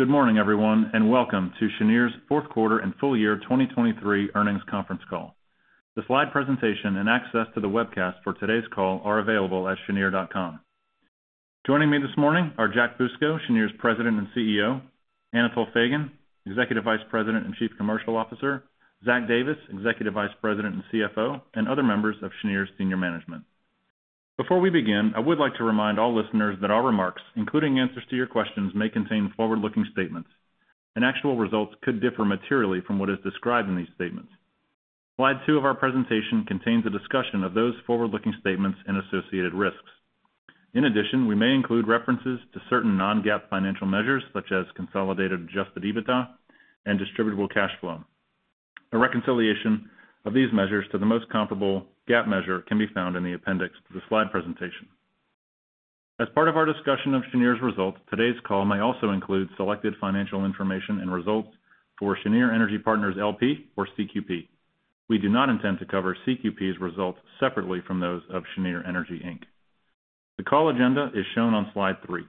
Good morning, everyone, and welcome to Cheniere's Q4 and Full Year 2023 Earnings Conference Call. The slide presentation and access to the webcast for today's call are available at cheniere.com. Joining me this morning are Jack Fusco, Cheniere's President and CEO, Anatol Feygin, Executive Vice President and Chief Commercial Officer, Zach Davis, Executive Vice President and CFO, and other members of Cheniere's senior management. Before we begin, I would like to remind all listeners that our remarks, including answers to your questions, may contain forward-looking statements, and actual results could differ materially from what is described in these statements. Slide 2 of our presentation contains a discussion of those forward-looking statements and associated risks. In addition, we may include references to certain non-GAAP financial measures such as Consolidated Adjusted EBITDA and Distributable Cash Flow. A reconciliation of these measures to the most comparable GAAP measure can be found in the appendix to the slide presentation. As part of our discussion of Cheniere's results, today's call may also include selected financial information and results for Cheniere Energy Partners LP or CQP. We do not intend to cover CQP's results separately from those of Cheniere Energy, Inc. The call agenda is shown on slide three.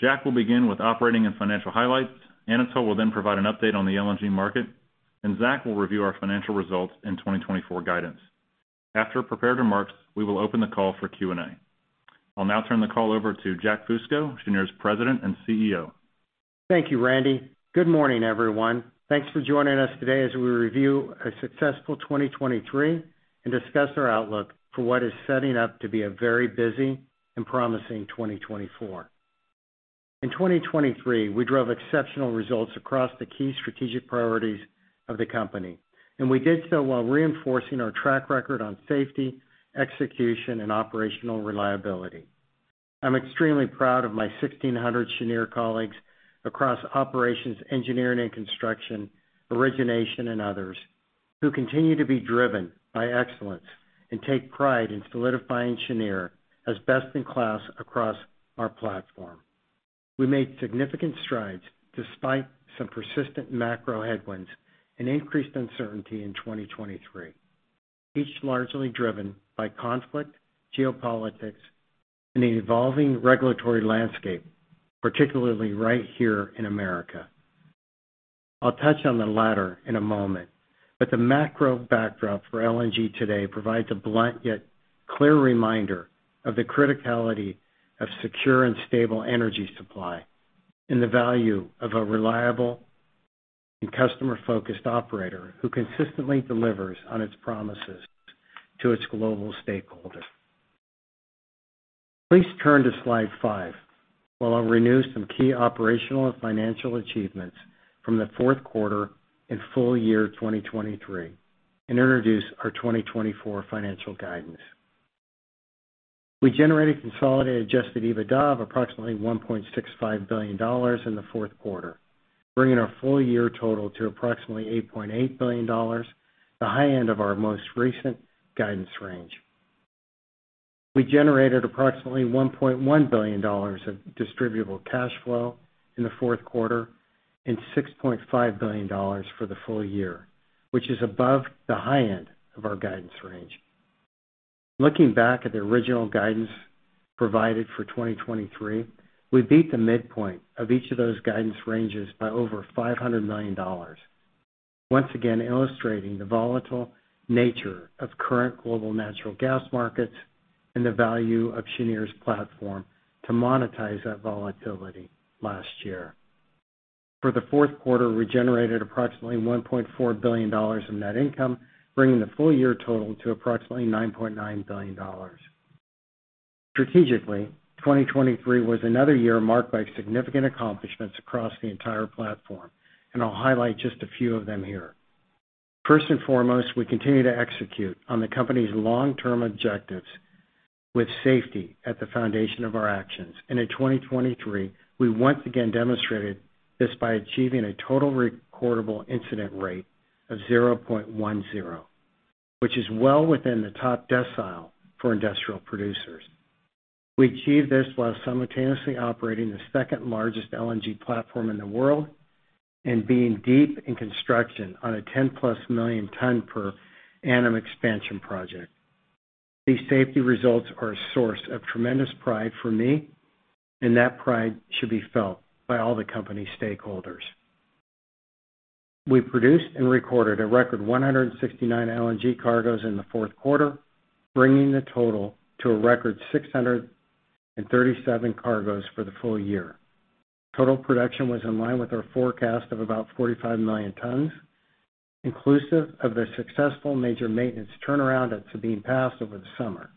Jack will begin with operating and financial highlights, Anatol will then provide an update on the LNG market, and Zach will review our financial results and 2024 guidance. After prepared remarks, we will open the call for Q&A. I'll now turn the call over to Jack Fusco, Cheniere's President and CEO. Thank you, Randy. Good morning, everyone. Thanks for joining us today as we review a successful 2023 and discuss our outlook for what is setting up to be a very busy and promising 2024. In 2023, we drove exceptional results across the key strategic priorities of the company, and we did so while reinforcing our track record on safety, execution, and operational reliability. I'm extremely proud of my 1,600 Cheniere colleagues across operations, engineering, and construction, origination, and others who continue to be driven by excellence and take pride in solidifying Cheniere as best-in-class across our platform. We made significant strides despite some persistent macro headwinds and increased uncertainty in 2023, each largely driven by conflict, geopolitics, and an evolving regulatory landscape, particularly right here in America. I'll touch on the latter in a moment, but the macro backdrop for LNG today provides a blunt yet clear reminder of the criticality of secure and stable energy supply and the value of a reliable and customer-focused operator who consistently delivers on its promises to its global stakeholders. Please turn to slide five while I'll review some key operational and financial achievements from the Q4 and full year 2023 and introduce our 2024 financial guidance. We generated Consolidated Adjusted EBITDA of approximately $1.65 billion in the Q4, bringing our full year total to approximately $8.8 billion, the high end of our most recent guidance range. We generated approximately $1.1 billion of distributable cash flow in the Q4 and $6.5 billion for the full year, which is above the high end of our guidance range. Looking back at the original guidance provided for 2023, we beat the midpoint of each of those guidance ranges by over $500 million, once again illustrating the volatile nature of current global natural gas markets and the value of Cheniere's platform to monetize that volatility last year. For the Q4, we generated approximately $1.4 billion of net income, bringing the full year total to approximately $9.9 billion. Strategically, 2023 was another year marked by significant accomplishments across the entire platform, and I'll highlight just a few of them here. First and foremost, we continue to execute on the company's long-term objectives with safety at the foundation of our actions, and in 2023, we once again demonstrated this by achieving a total recordable incident rate of 0.10, which is well within the top decile for industrial producers. We achieved this while simultaneously operating the second-largest LNG platform in the world and being deep in construction on a 10+ million-ton per annum expansion project. These safety results are a source of tremendous pride for me, and that pride should be felt by all the company stakeholders. We produced and recorded a record 169 LNG cargoes in the Q4, bringing the total to a record 637 cargoes for the full year. Total production was in line with our forecast of about 45 million tons, inclusive of the successful major maintenance turnaround at Sabine Pass over the summer.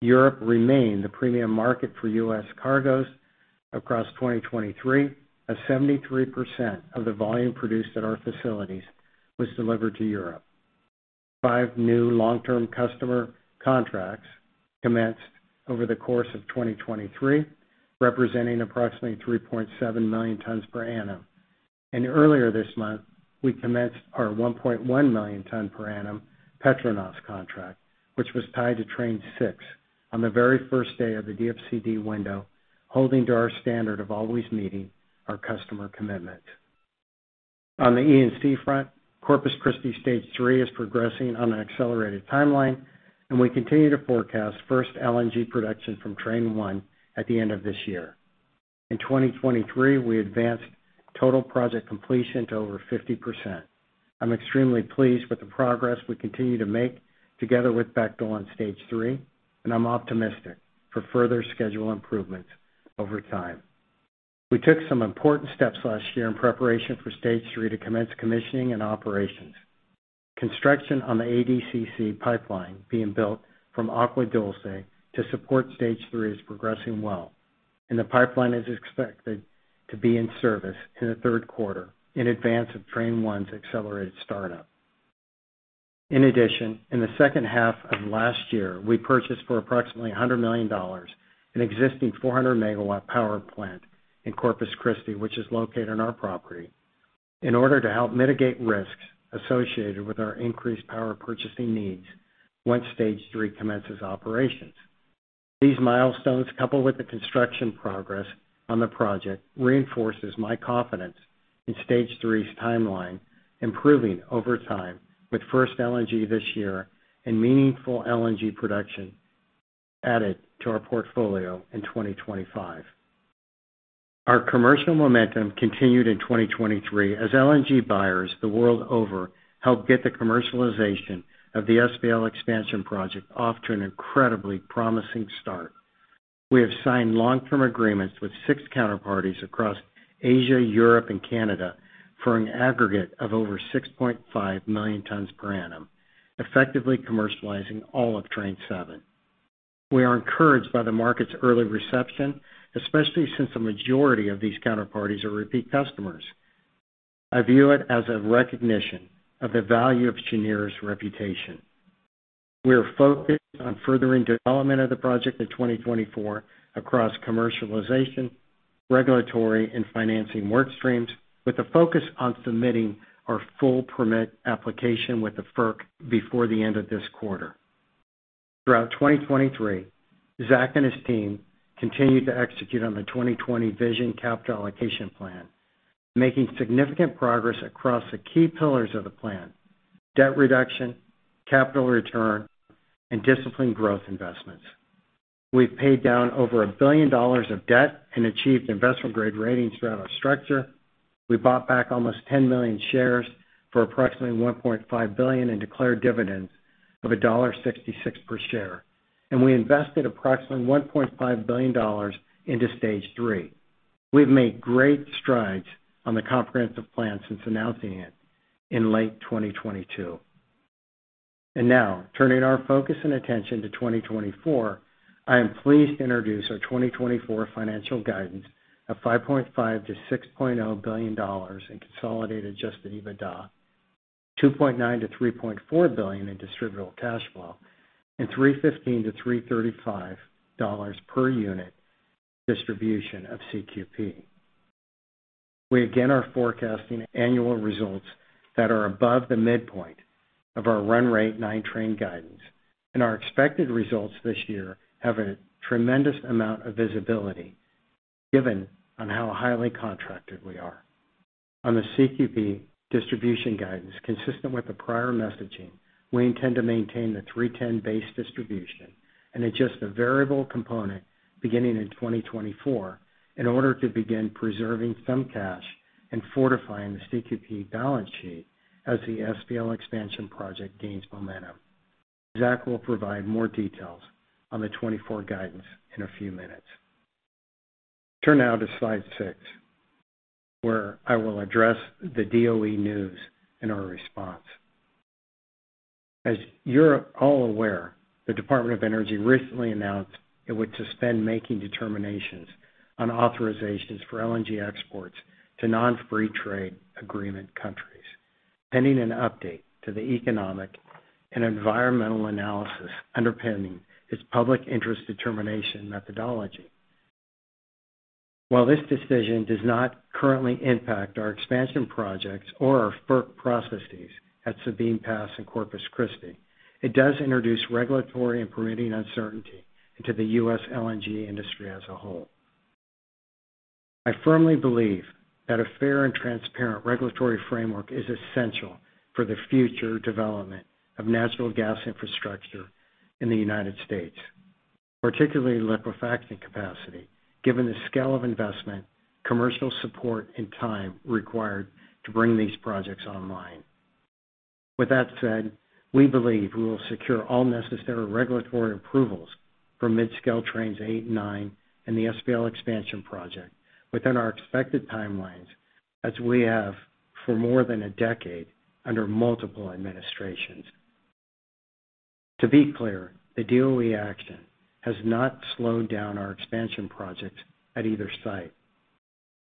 Europe remained the premium market for US cargoes across 2023, as 73% of the volume produced at our facilities was delivered to Europe. Five new long-term customer contracts commenced over the course of 2023, representing approximately 3.7 million tons per annum, and earlier this month, we commenced our 1.1 million-ton per annum PETRONAS contract, which was tied to Train 6 on the very first day of the DFCD window, holding to our standard of always meeting our customer commitments. On the E&C front, Corpus Christi Stage 3 is progressing on an accelerated timeline, and we continue to forecast first LNG production from Train 1 at the end of this year. In 2023, we advanced total project completion to over 50%. I'm extremely pleased with the progress we continue to make together with Bechtel on Stage 3, and I'm optimistic for further schedule improvements over time. We took some important steps last year in preparation for Stage 3 to commence commissioning and operations. Construction on the ADCC Pipeline being built from Agua Dulce to support Stage 3 is progressing well, and the pipeline is expected to be in service in the Q3 in advance of Train 1's accelerated startup. In addition, in the H2 of last year, we purchased for approximately $100 million an existing 400-megawatt power plant in Corpus Christi, which is located on our property, in order to help mitigate risks associated with our increased power purchasing needs once Stage 3 commences operations. These milestones, coupled with the construction progress on the project, reinforce my confidence in Stage 3's timeline improving over time with first LNG this year and meaningful LNG production added to our portfolio in 2025. Our commercial momentum continued in 2023 as LNG buyers the world over helped get the commercialization of the SPL expansion project off to an incredibly promising start. We have signed long-term agreements with six counterparties across Asia, Europe, and Canada for an aggregate of over 6.5 million tons per annum, effectively commercializing all of Train 7. We are encouraged by the market's early reception, especially since the majority of these counterparties are repeat customers. I view it as a recognition of the value of Cheniere's reputation. We are focused on furthering development of the project in 2024 across commercialization, regulatory, and financing workstreams, with a focus on submitting our full permit application with the FERC before the end of this quarter. Throughout 2023, Zach and his team continued to execute on the 20/20 Vision Capital Allocation Plan, making significant progress across the key pillars of the plan: debt reduction, capital return, and disciplined growth investments. We've paid down over $1 billion of debt and achieved investment-grade ratings throughout our structure. We bought back almost 10 million shares for approximately $1.5 billion in declared dividends of $1.66 per share, and we invested approximately $1.5 billion into Stage 3. We've made great strides on the comprehensive plan since announcing it in late 2022. Now, turning our focus and attention to 2024, I am pleased to introduce our 2024 financial guidance of $5.5 to 6.0 billion in Consolidated Adjusted EBITDA, $2.9 to 3.4 billion in Distributable Cash Flow, and $315 to 335 per unit distribution of CQP. We again are forecasting annual results that are above the midpoint of our run-rate nine-train guidance, and our expected results this year have a tremendous amount of visibility given how highly contracted we are. On the CQP distribution guidance, consistent with the prior messaging, we intend to maintain the 310-based distribution and adjust the variable component beginning in 2024 in order to begin preserving some cash and fortifying the CQP balance sheet as the SBL expansion project gains momentum. Zach will provide more details on the 2024 guidance in a few minutes. Turn now to slide six, where I will address the DOE news and our response. As you're all aware, the Department of Energy recently announced it would suspend making determinations on authorizations for LNG exports to non-free trade agreement countries, pending an update to the economic and environmental analysis underpinning its public interest determination methodology. While this decision does not currently impact our expansion projects or our FERC processes at Sabine Pass and Corpus Christi, it does introduce regulatory and permitting uncertainty into the US LNG industry as a whole. I firmly believe that a fair and transparent regulatory framework is essential for the future development of natural gas infrastructure in the United States, particularly liquefaction capacity, given the scale of investment, commercial support, and time required to bring these projects online. With that said, we believe we will secure all necessary regulatory approvals for mid-scale Trains 8 and 9 and the SBL expansion project within our expected timelines as we have for more than a decade under multiple administrations. To be clear, the DOE action has not slowed down our expansion projects at either site.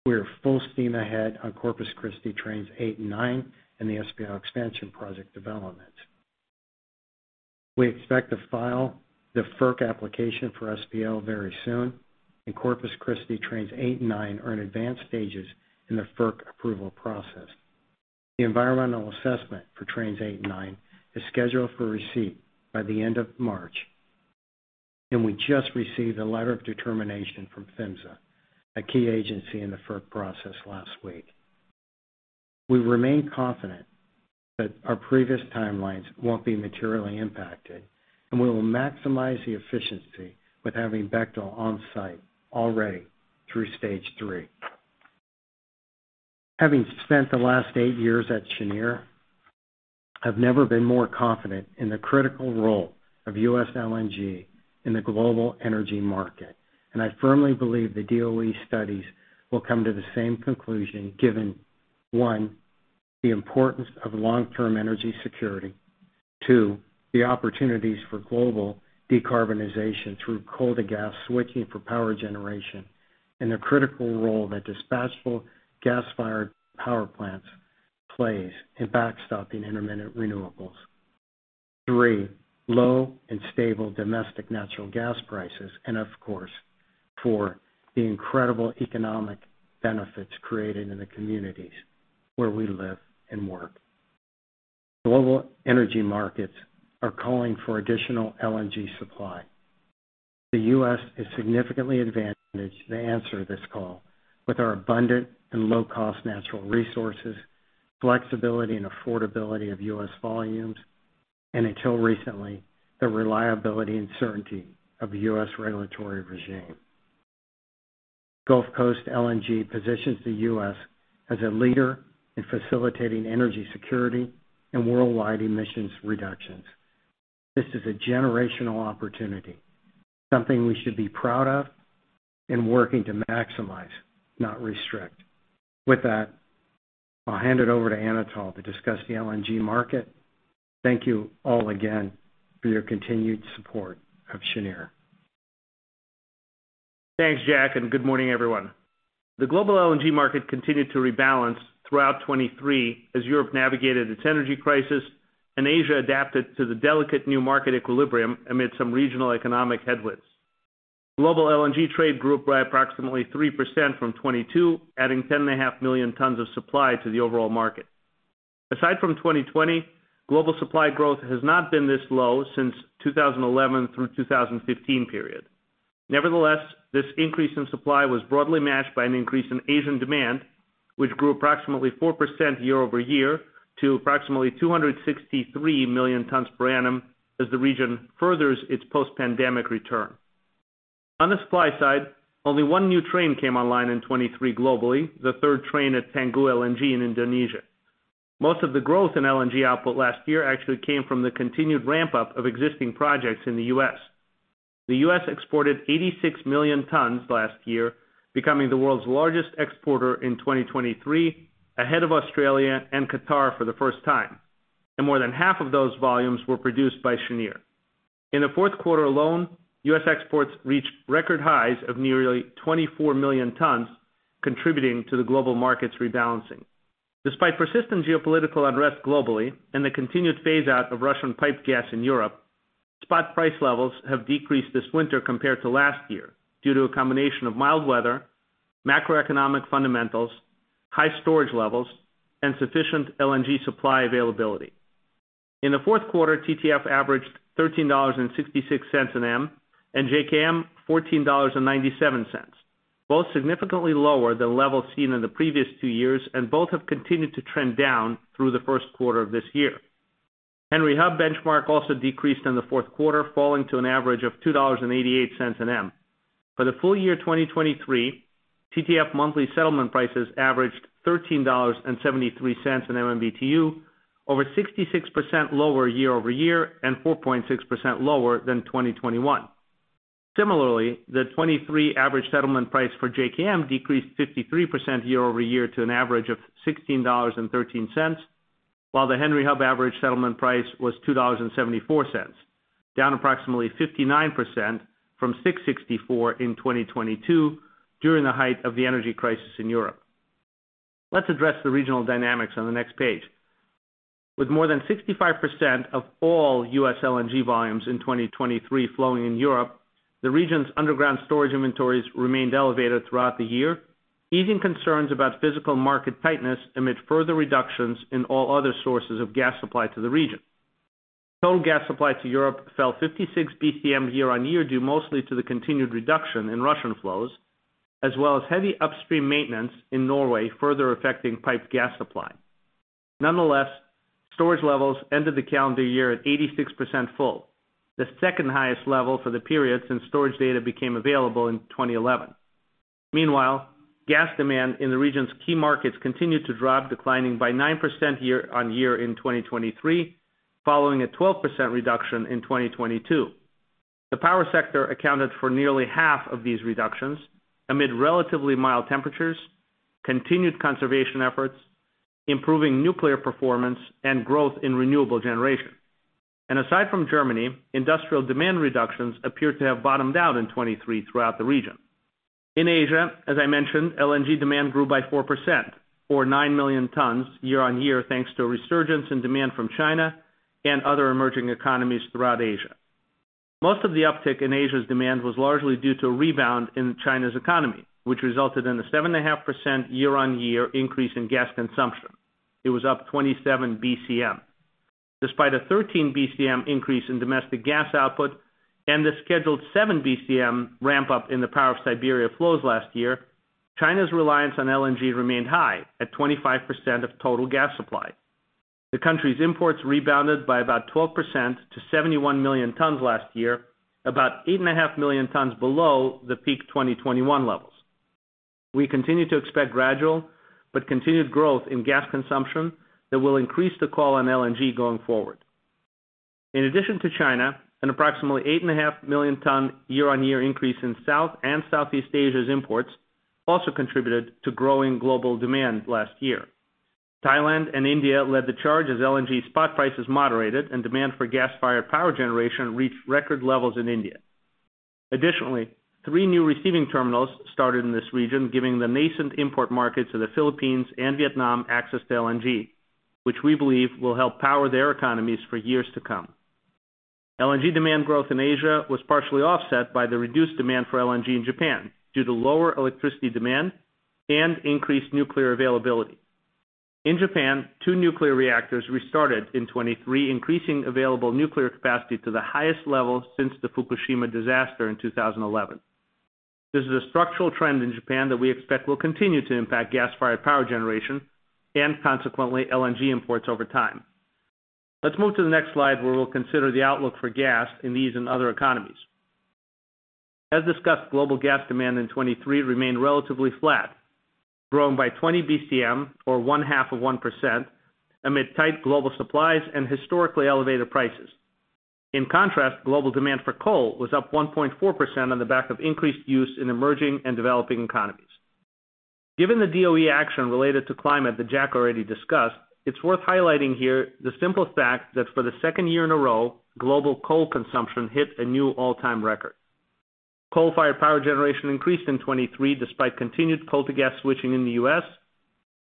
We are full steam ahead on Corpus Christi Trains 8 and 9 and the SBL expansion project developments. We expect to file the FERC application for SBL very soon, and Corpus Christi Trains 8 and 9 are in advanced stages in the FERC approval process. The environmental assessment for Trains 8 and 9 is scheduled for receipt by the end of March, and we just received a letter of determination from PHMSA, a key agency in the FERC process, last week. We remain confident that our previous timelines won't be materially impacted, and we will maximize the efficiency with having Bechtel on site already through Stage 3. Having spent the last eight years at Cheniere, I've never been more confident in the critical role of US LNG in the global energy market, and I firmly believe the DOE studies will come to the same conclusion given, one, the importance of long-term energy security, two, the opportunities for global decarbonization through coal-to-gas switching for power generation, and the critical role that dispatchable gas-fired power plants play in backstopping intermittent renewables, three, low and stable domestic natural gas prices, and of course, four, the incredible economic benefits created in the communities where we live and work. Global energy markets are calling for additional LNG supply. The US is significantly advantaged to answer this call with our abundant and low-cost natural resources, flexibility and affordability of US volumes, and until recently, the reliability and certainty of the US regulatory regime. Gulf Coast LNG positions the US as a leader in facilitating energy security and worldwide emissions reductions. This is a generational opportunity, something we should be proud of and working to maximize, not restrict. With that, I'll hand it over to Anatol to discuss the LNG market. Thank you all again for your continued support of Cheniere. Thanks, Jack, and good morning, everyone. The global LNG market continued to rebalance throughout 2023 as Europe navigated its energy crisis and Asia adapted to the delicate new market equilibrium amid some regional economic headwinds. Global LNG trade grew up by approximately 3% from 2022, adding 10.5 million tons of supply to the overall market. Aside from 2020, global supply growth has not been this low since the 2011 through 2015 period. Nevertheless, this increase in supply was broadly matched by an increase in Asian demand, which grew approximately 4% year-over-year to approximately 263 million tons per annum as the region furthers its post-pandemic return. On the supply side, only one new train came online in 2023 globally, the third train at Tangguh LNG in Indonesia. Most of the growth in LNG output last year actually came from the continued ramp-up of existing projects in the US The US exported 86 million tons last year, becoming the world's largest exporter in 2023, ahead of Australia and Qatar for the first time, and more than half of those volumes were produced by Cheniere. In the Q4 alone, US exports reached record highs of nearly 24 million tons, contributing to the global market's rebalancing. Despite persistent geopolitical unrest globally and the continued phase-out of Russian pipe gas in Europe, spot price levels have decreased this winter compared to last year due to a combination of mild weather, macroeconomic fundamentals, high storage levels, and sufficient LNG supply availability. In the Q4, TTF averaged $13.66 an MMBtu and JKM $14.97, both significantly lower than levels seen in the previous two years and both have continued to trend down through the Q1 of this year. Henry Hub benchmark also decreased in the Q4, falling to an average of $2.88 an MMBtu. For the full year 2023, TTF monthly settlement prices averaged $13.73 an MMBtu, over 66% lower year-over-year and 4.6% lower than 2021. Similarly, the 2023 average settlement price for JKM decreased 53% year-over-year to an average of $16.13, while the Henry Hub average settlement price was $2.74, down approximately 59% from $6.64 in 2022 during the height of the energy crisis in Europe. Let's address the regional dynamics on the next page. With more than 65% of all US LNG volumes in 2023 flowing in Europe, the region's underground storage inventories remained elevated throughout the year, easing concerns about physical market tightness amid further reductions in all other sources of gas supply to the region. Total gas supply to Europe fell 56 BCM year-on-year due mostly to the continued reduction in Russian flows, as well as heavy upstream maintenance in Norway further affecting piped gas supply. Nonetheless, storage levels ended the calendar year at 86% full, the second highest level for the period since storage data became available in 2011. Meanwhile, gas demand in the region's key markets continued to drop, declining by 9% year-on-year in 2023, following a 12% reduction in 2022. The power sector accounted for nearly half of these reductions amid relatively mild temperatures, continued conservation efforts, improving nuclear performance, and growth in renewable generation. Aside from Germany, industrial demand reductions appeared to have bottomed out in 2023 throughout the region. In Asia, as I mentioned, LNG demand grew by 4%, or 9 million tons, year-on-year thanks to a resurgence in demand from China and other emerging economies throughout Asia. Most of the uptick in Asia's demand was largely due to a rebound in China's economy, which resulted in a 7.5% year-on-year increase in gas consumption. It was up 27 BCM. Despite a 13 BCM increase in domestic gas output and the scheduled 7 BCM ramp-up in the Power of Siberia flows last year, China's reliance on LNG remained high at 25% of total gas supply. The country's imports rebounded by about 12% to 71 million tons last year, about 8.5 million tons below the peak 2021 levels. We continue to expect gradual but continued growth in gas consumption that will increase the call on LNG going forward. In addition to China, an approximately 8.5 million tons year-on-year increase in South and Southeast Asia's imports also contributed to growing global demand last year. Thailand and India led the charge as LNG spot prices moderated and demand for gas-fired power generation reached record levels in India. Additionally, three new receiving terminals started in this region, giving the nascent import markets of the Philippines and Vietnam access to LNG, which we believe will help power their economies for years to come. LNG demand growth in Asia was partially offset by the reduced demand for LNG in Japan due to lower electricity demand and increased nuclear availability. In Japan, two nuclear reactors restarted in 2023, increasing available nuclear capacity to the highest level since the Fukushima disaster in 2011. This is a structural trend in Japan that we expect will continue to impact gas-fired power generation and consequently LNG imports over time. Let's move to the next slide where we'll consider the outlook for gas in these and other economies. As discussed, global gas demand in 2023 remained relatively flat, growing by 20 BCM, or 0.5%, amid tight global supplies and historically elevated prices. In contrast, global demand for coal was up 1.4% on the back of increased use in emerging and developing economies. Given the DOE action related to climate that Jack already discussed, it's worth highlighting here the simple fact that for the second year in a row, global coal consumption hit a new all-time record. Coal-fired power generation increased in 2023 despite continued coal-to-gas switching in the US,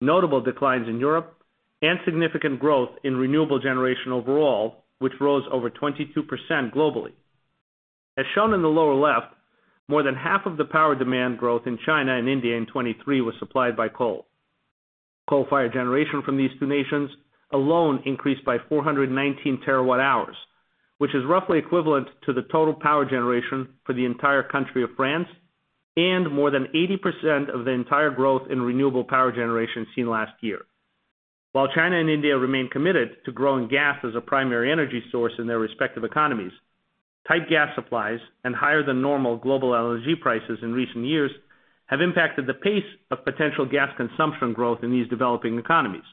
notable declines in Europe, and significant growth in renewable generation overall, which rose over 22% globally. As shown in the lower left, more than half of the power demand growth in China and India in 2023 was supplied by coal. Coal-fired generation from these two nations alone increased by 419 TWh, which is roughly equivalent to the total power generation for the entire country of France and more than 80% of the entire growth in renewable power generation seen last year. While China and India remain committed to growing gas as a primary energy source in their respective economies, tight gas supplies and higher-than-normal global LNG prices in recent years have impacted the pace of potential gas consumption growth in these developing economies.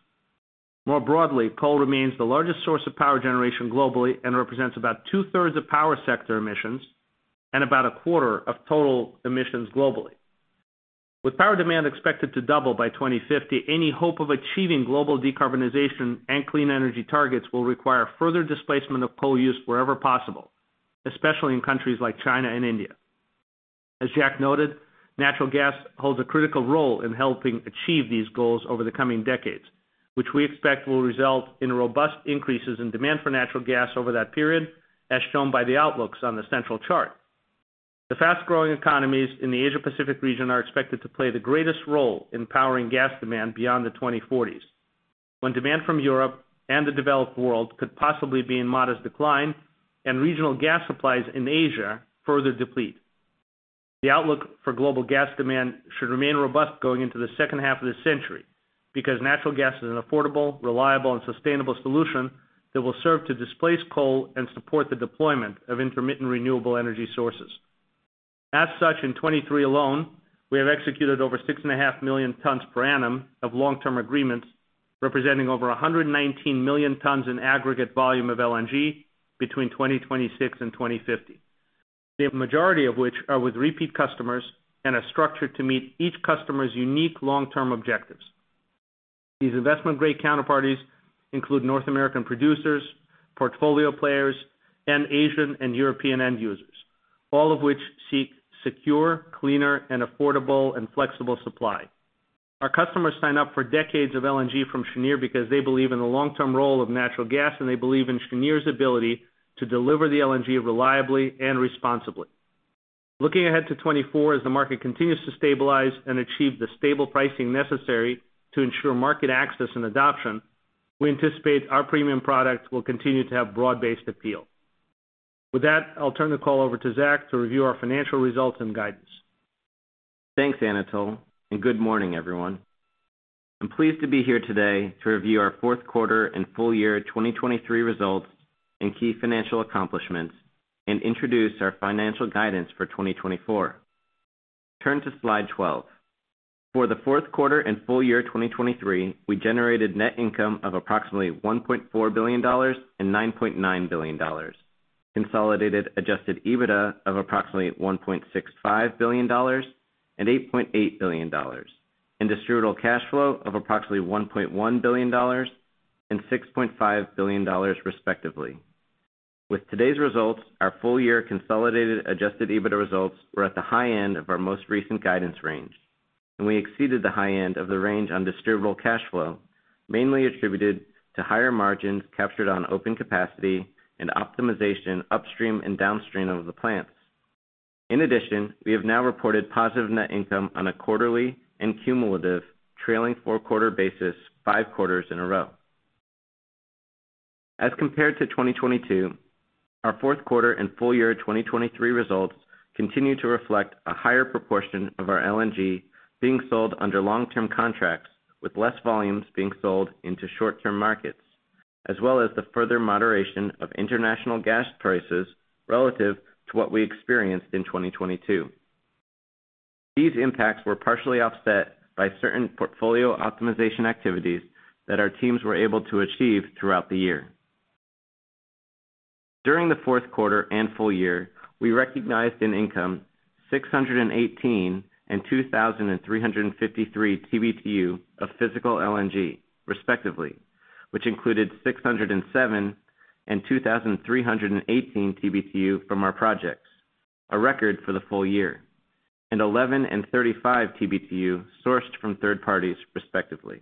More broadly, coal remains the largest source of power generation globally and represents about 2/3 of power sector emissions and about 1/4 of total emissions globally. With power demand expected to double by 2050, any hope of achieving global decarbonization and clean energy targets will require further displacement of coal use wherever possible, especially in countries like China and India. As Jack noted, natural gas holds a critical role in helping achieve these goals over the coming decades, which we expect will result in robust increases in demand for natural gas over that period, as shown by the outlooks on the central chart. The fast-growing economies in the Asia-Pacific region are expected to play the greatest role in powering gas demand beyond the 2040s, when demand from Europe and the developed world could possibly be in modest decline and regional gas supplies in Asia further deplete. The outlook for global gas demand should remain robust going into the H2 of this century because natural gas is an affordable, reliable, and sustainable solution that will serve to displace coal and support the deployment of intermittent renewable energy sources. As such, in 2023 alone, we have executed over 6.5 million tons per annum of long-term agreements representing over 119 million tons in aggregate volume of LNG between 2026 and 2050, the majority of which are with repeat customers and are structured to meet each customer's unique long-term objectives. These investment-grade counterparties include North American producers, portfolio players, and Asian and European end users, all of which seek secure, cleaner, and affordable and flexible supply. Our customers sign up for decades of LNG from Cheniere because they believe in the long-term role of natural gas and they believe in Cheniere's ability to deliver the LNG reliably and responsibly. Looking ahead to 2024, as the market continues to stabilize and achieve the stable pricing necessary to ensure market access and adoption, we anticipate our premium products will continue to have broad-based appeal. With that, I'll turn the call over to Zach to review our financial results and guidance. Thanks, Anatol, and good morning, everyone. I'm pleased to be here today to review our Q4 and full year 2023 results and key financial accomplishments and introduce our financial guidance for 2024. Turn to slide 12. For the Q4 and full year 2023, we generated net income of approximately $1.4 billion and $9.9 billion, consolidated adjusted EBITDA of approximately $1.65 billion and $8.8 billion, and distributable cash flow of approximately $1.1 billion and $6.5 billion, respectively. With today's results, our full year consolidated adjusted EBITDA results were at the high end of our most recent guidance range, and we exceeded the high end of the range on distributable cash flow, mainly attributed to higher margins captured on open capacity and optimization upstream and downstream of the plants. In addition, we have now reported positive net income on a quarterly and cumulative trailing four-quarter basis five quarters in a row. As compared to 2022, our Q4 and full year 2023 results continue to reflect a higher proportion of our LNG being sold under long-term contracts with less volumes being sold into short-term markets, as well as the further moderation of international gas prices relative to what we experienced in 2022. These impacts were partially offset by certain portfolio optimization activities that our teams were able to achieve throughout the year. During the Q4 and full year, we recognized in income 618 and 2,353 TBTU of physical LNG, respectively, which included 607 and 2,318 TBTU from our projects, a record for the full year, and 11 and 35 TBTU sourced from third parties, respectively.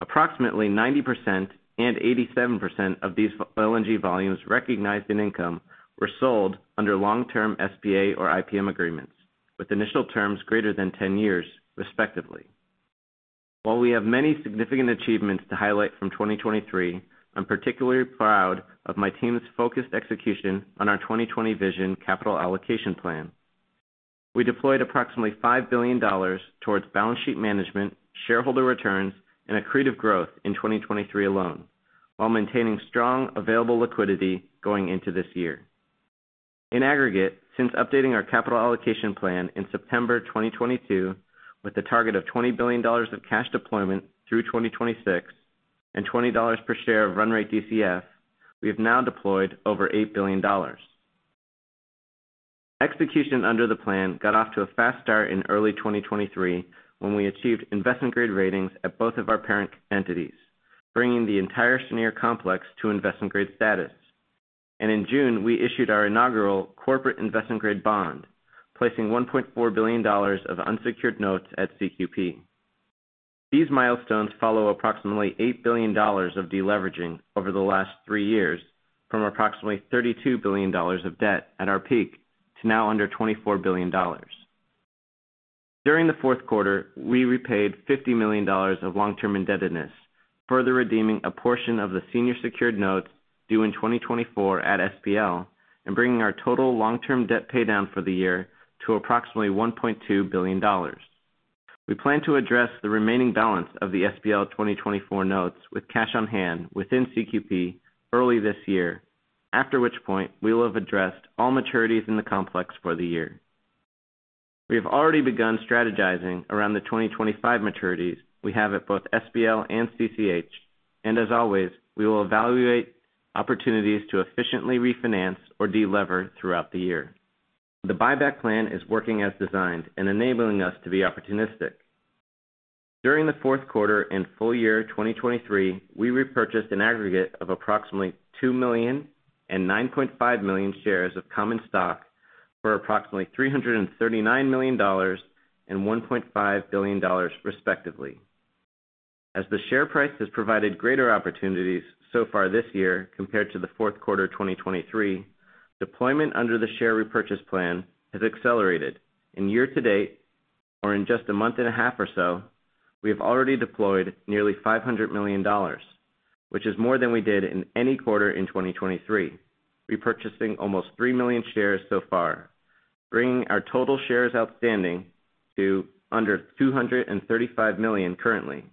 Approximately 90% and 87% of these LNG volumes recognized in income were sold under long-term SPA or IPM agreements, with initial terms greater than 10 years, respectively. While we have many significant achievements to highlight from 2023, I'm particularly proud of my team's focused execution on our 2020 vision capital allocation plan. We deployed approximately $5 billion towards balance sheet management, shareholder returns, and accretive growth in 2023 alone, while maintaining strong available liquidity going into this year. In aggregate, since updating our capital allocation plan in September 2022 with the target of $20 billion of cash deployment through 2026 and $20 per share of run rate DCF, we have now deployed over $8 billion. Execution under the plan got off to a fast start in early 2023 when we achieved investment-grade ratings at both of our parent entities, bringing the entire Cheniere complex to investment-grade status. In June, we issued our inaugural corporate investment-grade bond, placing $1.4 billion of unsecured notes at CQP. These milestones follow approximately $8 billion of deleveraging over the last three years from approximately $32 billion of debt at our peak to now under $24 billion. During the Q4, we repaid $50 million of long-term indebtedness, further redeeming a portion of the senior secured notes due in 2024 at SPL and bringing our total long-term debt paydown for the year to approximately $1.2 billion. We plan to address the remaining balance of the SPL 2024 notes with cash on hand within CQP early this year, after which point we will have addressed all maturities in the complex for the year. We have already begun strategizing around the 2025 maturities we have at both SPL and CCH, and as always, we will evaluate opportunities to efficiently refinance or delever throughout the year. The buyback plan is working as designed and enabling us to be opportunistic. During the Q4 and full year 2023, we repurchased an aggregate of approximately two million and 9.5 million shares of common stock for approximately $339 million and $1.5 billion, respectively. As the share price has provided greater opportunities so far this year compared to the Q4 2023, deployment under the share repurchase plan has accelerated. Year to date, or in just a month and a half or so, we have already deployed nearly $500 million, which is more than we did in any quarter in 2023, repurchasing almost three million shares so far, bringing our total shares outstanding to under 235 million currently.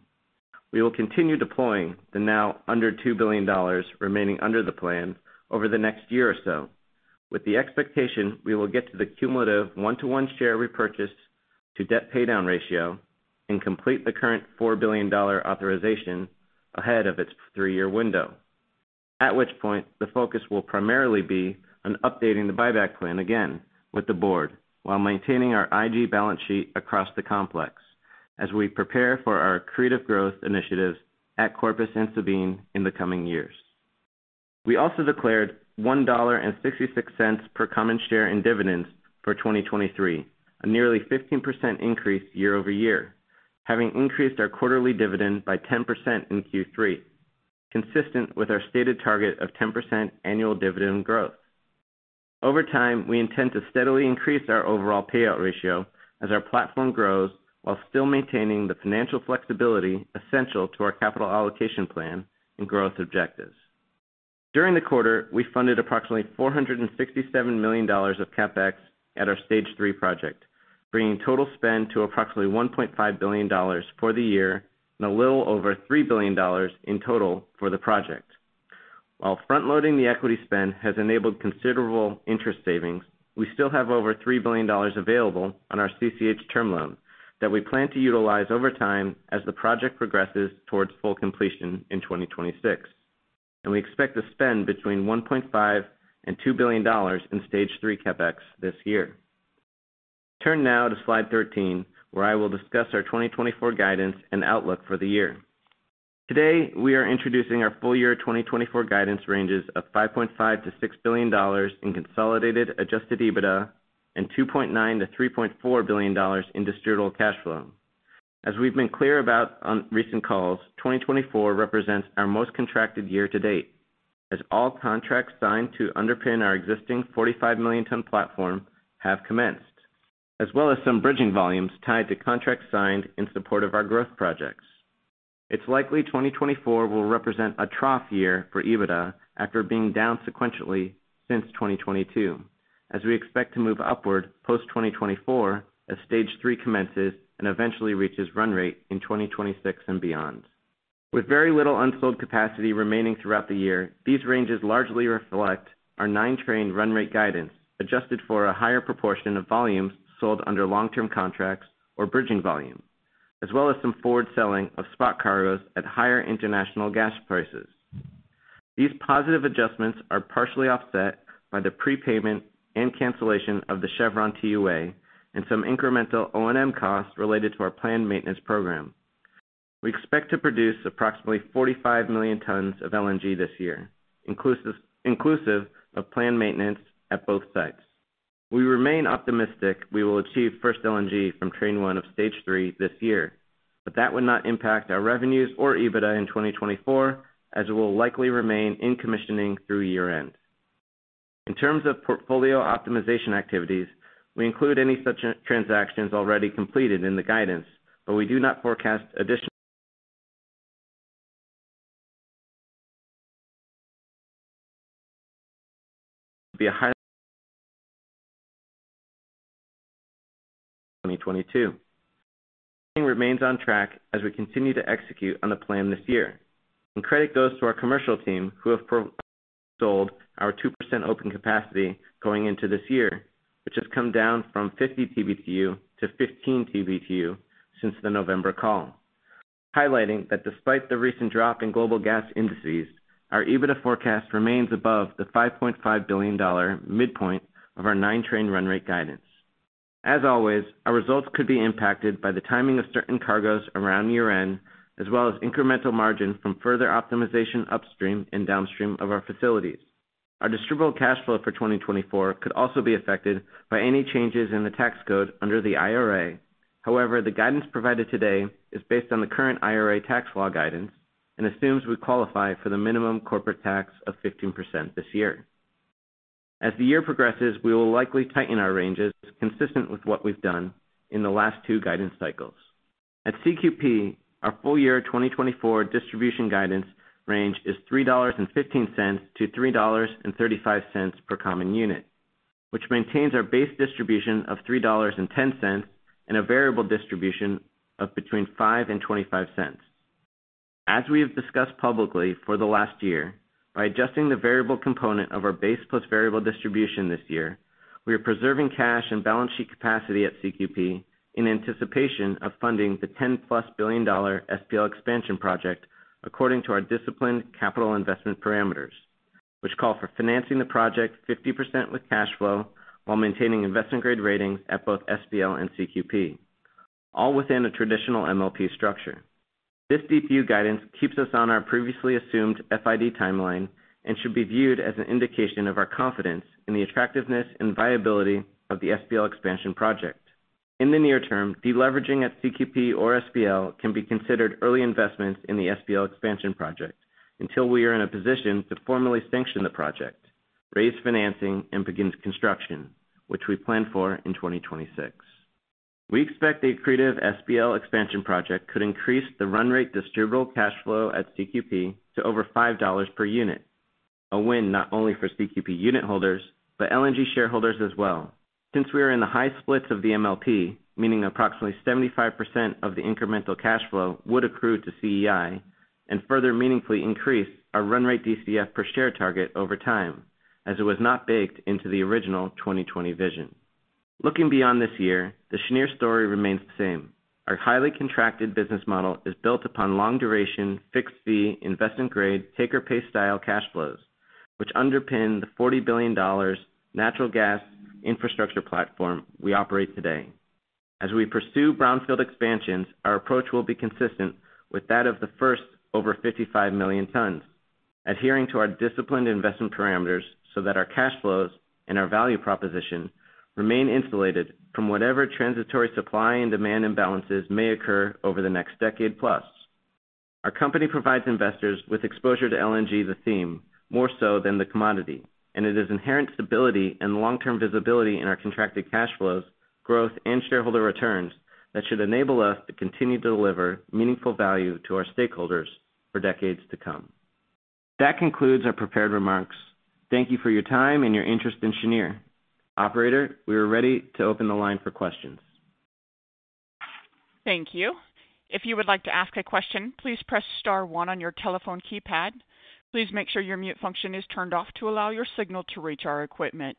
We will continue deploying the now under $2 billion remaining under the plan over the next year or so, with the expectation we will get to the cumulative one-to-one share repurchase to debt paydown ratio and complete the current $4 billion authorization ahead of its three-year window, at which point the focus will primarily be on updating the buyback plan again with the Board while maintaining our IG balance sheet across the complex as we prepare for our accretive growth initiatives at Corpus and Sabine in the coming years. We also declared $1.66 per common share in dividends for 2023, a nearly 15% increase year-over-year, having increased our quarterly dividend by 10% in Q3, consistent with our stated target of 10% annual dividend growth. Over time, we intend to steadily increase our overall payout ratio as our platform grows while still maintaining the financial flexibility essential to our capital allocation plan and growth objectives. During the quarter, we funded approximately $467 million of CapEx at our Stage 3 project, bringing total spend to approximately $1.5 billion for the year and a little over $3 billion in total for the project. While front-loading the equity spend has enabled considerable interest savings, we still have over $3 billion available on our CCH term loan that we plan to utilize over time as the project progresses towards full completion in 2026, and we expect to spend between $1.5 billion and $2 billion in Stage 3 CapEx this year. Turn now to slide 13, where I will discuss our 2024 guidance and outlook for the year. Today, we are introducing our full year 2024 guidance ranges of $5.5 to 6 billion in consolidated adjusted EBITDA and $2.9 to 3.4 billion in distributable cash flow. As we've been clear about on recent calls, 2024 represents our most contracted year to date, as all contracts signed to underpin our existing 45 million-ton platform have commenced, as well as some bridging volumes tied to contracts signed in support of our growth projects. It's likely 2024 will represent a trough year for EBITDA after being down sequentially since 2022, as we expect to move upward post-2024 as Stage 3 commences and eventually reaches run rate in 2026 and beyond. With very little unsold capacity remaining throughout the year, these ranges largely reflect our 9-train run rate guidance adjusted for a higher proportion of volumes sold under long-term contracts or bridging volumes, as well as some forward selling of spot cargoes at higher international gas prices. These positive adjustments are partially offset by the prepayment and cancellation of the Chevron TUA and some incremental O&M costs related to our planned maintenance program. We expect to produce approximately 45 million tons of LNG this year, inclusive of planned maintenance at both sites. We remain optimistic we will achieve first LNG from Train 1 of Stage 3 this year, but that would not impact our revenues or EBITDA in 2024, as it will likely remain in commissioning through year-end. In terms of portfolio optimization activities, we include any such transactions already completed in the guidance, but we do not forecast additional 2022. Everything remains on track as we continue to execute on the plan this year, and credit goes to our commercial team who have sold our 2% open capacity going into this year, which has come down from 50 TBTU to 15 TBTU since the November call, highlighting that despite the recent drop in global gas indices, our EBITDA forecast remains above the $5.5 billion midpoint of our nine-train run rate guidance. As always, our results could be impacted by the timing of certain cargoes around year-end, as well as incremental margin from further optimization upstream and downstream of our facilities. Our distributable cash flow for 2024 could also be affected by any changes in the tax code under the IRA. However, the guidance provided today is based on the current IRA tax law guidance and assumes we qualify for the minimum corporate tax of 15% this year. As the year progresses, we will likely tighten our ranges consistent with what we've done in the last two guidance cycles. At CQP, our full year 2024 distribution guidance range is $3.15 to 3.35 per common unit, which maintains our base distribution of $3.10 and a variable distribution of between $0.05 and $0.25. As we have discussed publicly for the last year, by adjusting the variable component of our base plus variable distribution this year, we are preserving cash and balance sheet capacity at CQP in anticipation of funding the $10+ billion SPL expansion project according to our disciplined capital investment parameters, which call for financing the project 50% with cash flow while maintaining investment-grade ratings at both SPL and CQP, all within a traditional MLP structure. This DPU guidance keeps us on our previously assumed FID timeline and should be viewed as an indication of our confidence in the attractiveness and viability of the SPL expansion project. In the near term, deleveraging at CQP or SPL can be considered early investments in the SPL expansion project until we are in a position to formally sanction the project, raise financing, and begin construction, which we plan for in 2026. We expect the accretive SPL expansion project could increase the run rate distributable cash flow at CQP to over $5 per unit, a win not only for CQP unit holders but LNG shareholders as well, since we are in the high splits of the MLP, meaning approximately 75% of the incremental cash flow would accrue to CEI and further meaningfully increase our run rate DCF per share target over time, as it was not baked into the original 2020 vision. Looking beyond this year, the Cheniere story remains the same. Our highly contracted business model is built upon long-duration, fixed-fee, investment-grade, take-or-pay style cash flows, which underpin the $40 billion natural gas infrastructure platform we operate today. As we pursue brownfield expansions, our approach will be consistent with that of the first over 55 million tons, adhering to our disciplined investment parameters so that our cash flows and our value proposition remain insulated from whatever transitory supply and demand imbalances may occur over the next decade plus. Our company provides investors with exposure to LNG, the theme more so than the commodity, and it is inherent stability and long-term visibility in our contracted cash flows, growth, and shareholder returns that should enable us to continue to deliver meaningful value to our stakeholders for decades to come. That concludes our prepared remarks. Thank you for your time and your interest in Cheniere. Operator, we are ready to open the line for questions. Thank you. If you would like to ask a question, please press star one on your telephone keypad. Please make sure your mute function is turned off to allow your signal to reach our equipment.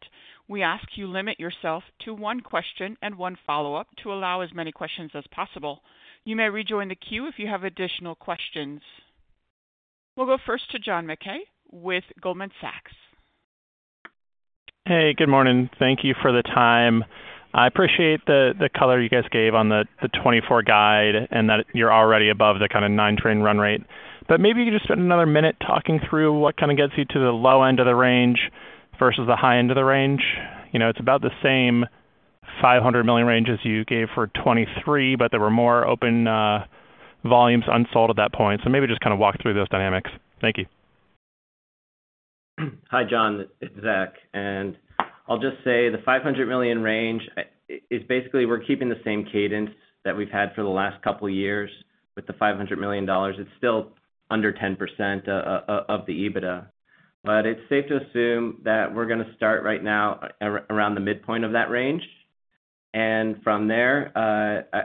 We ask you limit yourself to one question and one follow-up to allow as many questions as possible. You may rejoin the queue if you have additional questions. We'll go first to John Mackay with Goldman Sachs. Hey, good morning. Thank you for the time. I appreciate the color you guys gave on the 2024 guide and that you're already above the kind of nine-train run rate. But maybe you could just spend another minute talking through what kind of gets you to the low end of the range versus the high end of the range. It's about the same $500 million range as you gave for 2023, but there were more open volumes unsold at that point. So maybe just kind of walk through those dynamics. Thank you. Hi, John. It's Zach. And I'll just say the $500 million range is basically we're keeping the same cadence that we've had for the last couple of years with the $500 million. It's still under 10% of the EBITDA. But it's safe to assume that we're going to start right now around the midpoint of that range. And from there,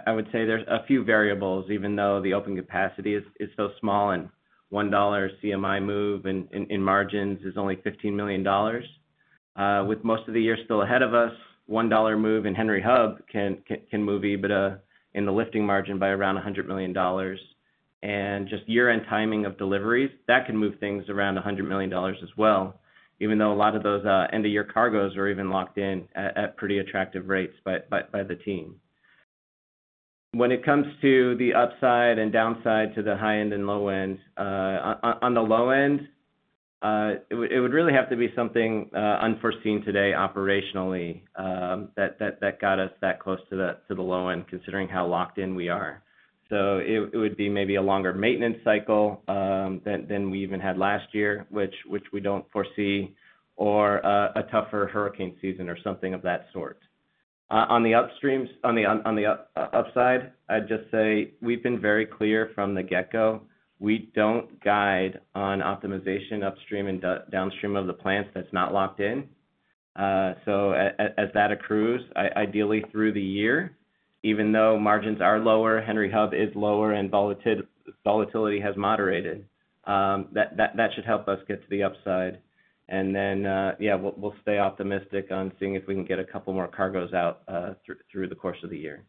I would say there's a few variables, even though the open capacity is so small and $1 CMI move in margins is only $15 million. With most of the year still ahead of us, $1 move in Henry Hub can move EBITDA in the lifting margin by around $100 million. And just year-end timing of deliveries, that can move things around $100 million as well, even though a lot of those end-of-year cargoes are even locked in at pretty attractive rates by the team. When it comes to the upside and downside to the high end and low end, on the low end, it would really have to be something unforeseen today operationally that got us that close to the low end considering how locked in we are. So it would be maybe a longer maintenance cycle than we even had last year, which we don't foresee, or a tougher hurricane season or something of that sort. On the upstream, on the upside, I'd just say we've been very clear from the get-go. We don't guide on optimization upstream and downstream of the plants that's not locked in. So as that accrues, ideally through the year, even though margins are lower, Henry Hub is lower, and volatility has moderated, that should help us get to the upside. And then, yeah, we'll stay optimistic on seeing if we can get a couple more cargoes out through the course of the year.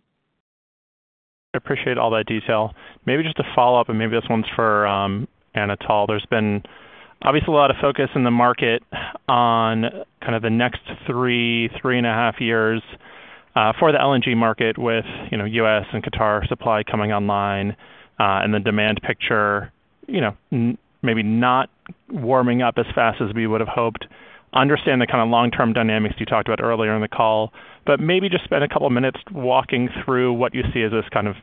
I appreciate all that detail. Maybe just a follow-up, and maybe this one's for Anatol. There's been obviously a lot of focus in the market on kind of the next three, 3.5 years for the LNG market with US and Qatar supply coming online and the demand picture maybe not warming up as fast as we would have hoped. Understand the kind of long-term dynamics you talked about earlier in the call, but maybe just spend a couple of minutes walking through what you see as this kind of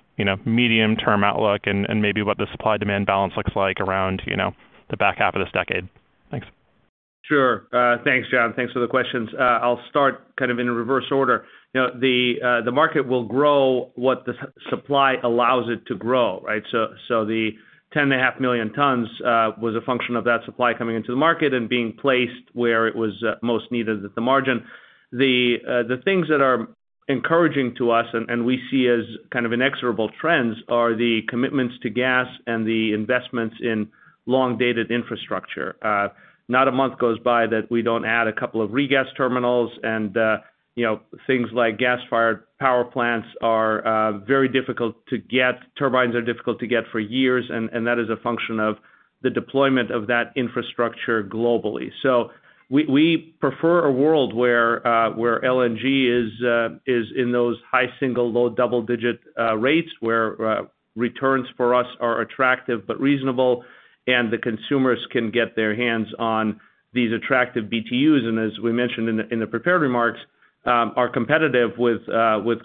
medium-term outlook and maybe what the supply-demand balance looks like around the back half of this decade. Thanks. Sure. Thanks, John. Thanks for the questions. I'll start kind of in reverse order. The market will grow what the supply allows it to grow, right? So the 10.5 million tons was a function of that supply coming into the market and being placed where it was most needed at the margin. The things that are encouraging to us and we see as kind of inexorable trends are the commitments to gas and the investments in long-dated infrastructure. Not a month goes by that we don't add a couple of regas terminals, and things like gas-fired power plants are very difficult to get. Turbines are difficult to get for years, and that is a function of the deployment of that infrastructure globally. So we prefer a world where LNG is in those high single-digit, low double-digit rates, where returns for us are attractive but reasonable, and the consumers can get their hands on these attractive BTUs, and as we mentioned in the prepared remarks, are competitive with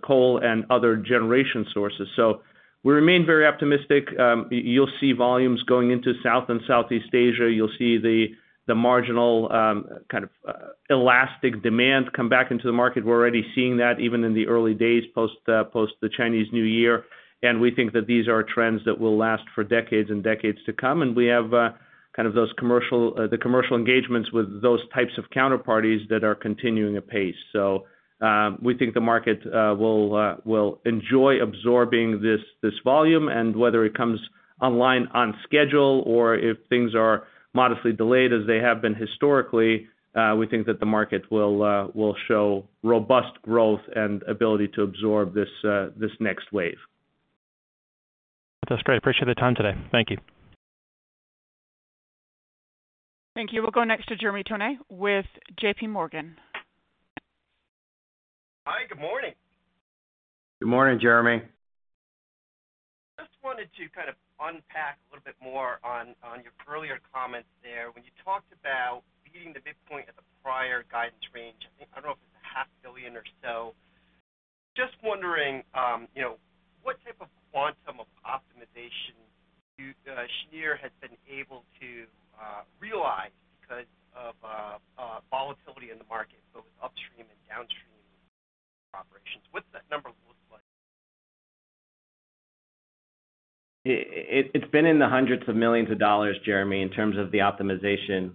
coal and other generation sources. So we remain very optimistic. You'll see volumes going into South and Southeast Asia. You'll see the marginal kind of elastic demand come back into the market. We're already seeing that even in the early days post the Chinese New Year. And we think that these are trends that will last for decades and decades to come. And we have kind of those commercial engagements with those types of counterparties that are continuing a pace. So we think the market will enjoy absorbing this volume. Whether it comes online on schedule or if things are modestly delayed as they have been historically, we think that the market will show robust growth and ability to absorb this next wave. That's great. Appreciate the time today. Thank you. Thank you. We'll go next to Jeremy Tonet with JPMorgan. Hi. Good morning. Good morning, Jeremy. I just wanted to kind of unpack a little bit more on your earlier comments there. When you talked about beating the midpoint at the prior guidance range, I don't know if it's $500 million or so. Just wondering what type of quantum of optimization Cheniere has been able to realize because of volatility in the market, both upstream and downstream operations? What's that number look like? It's been in the hundreds of millions of dollars, Jeremy, in terms of the optimization.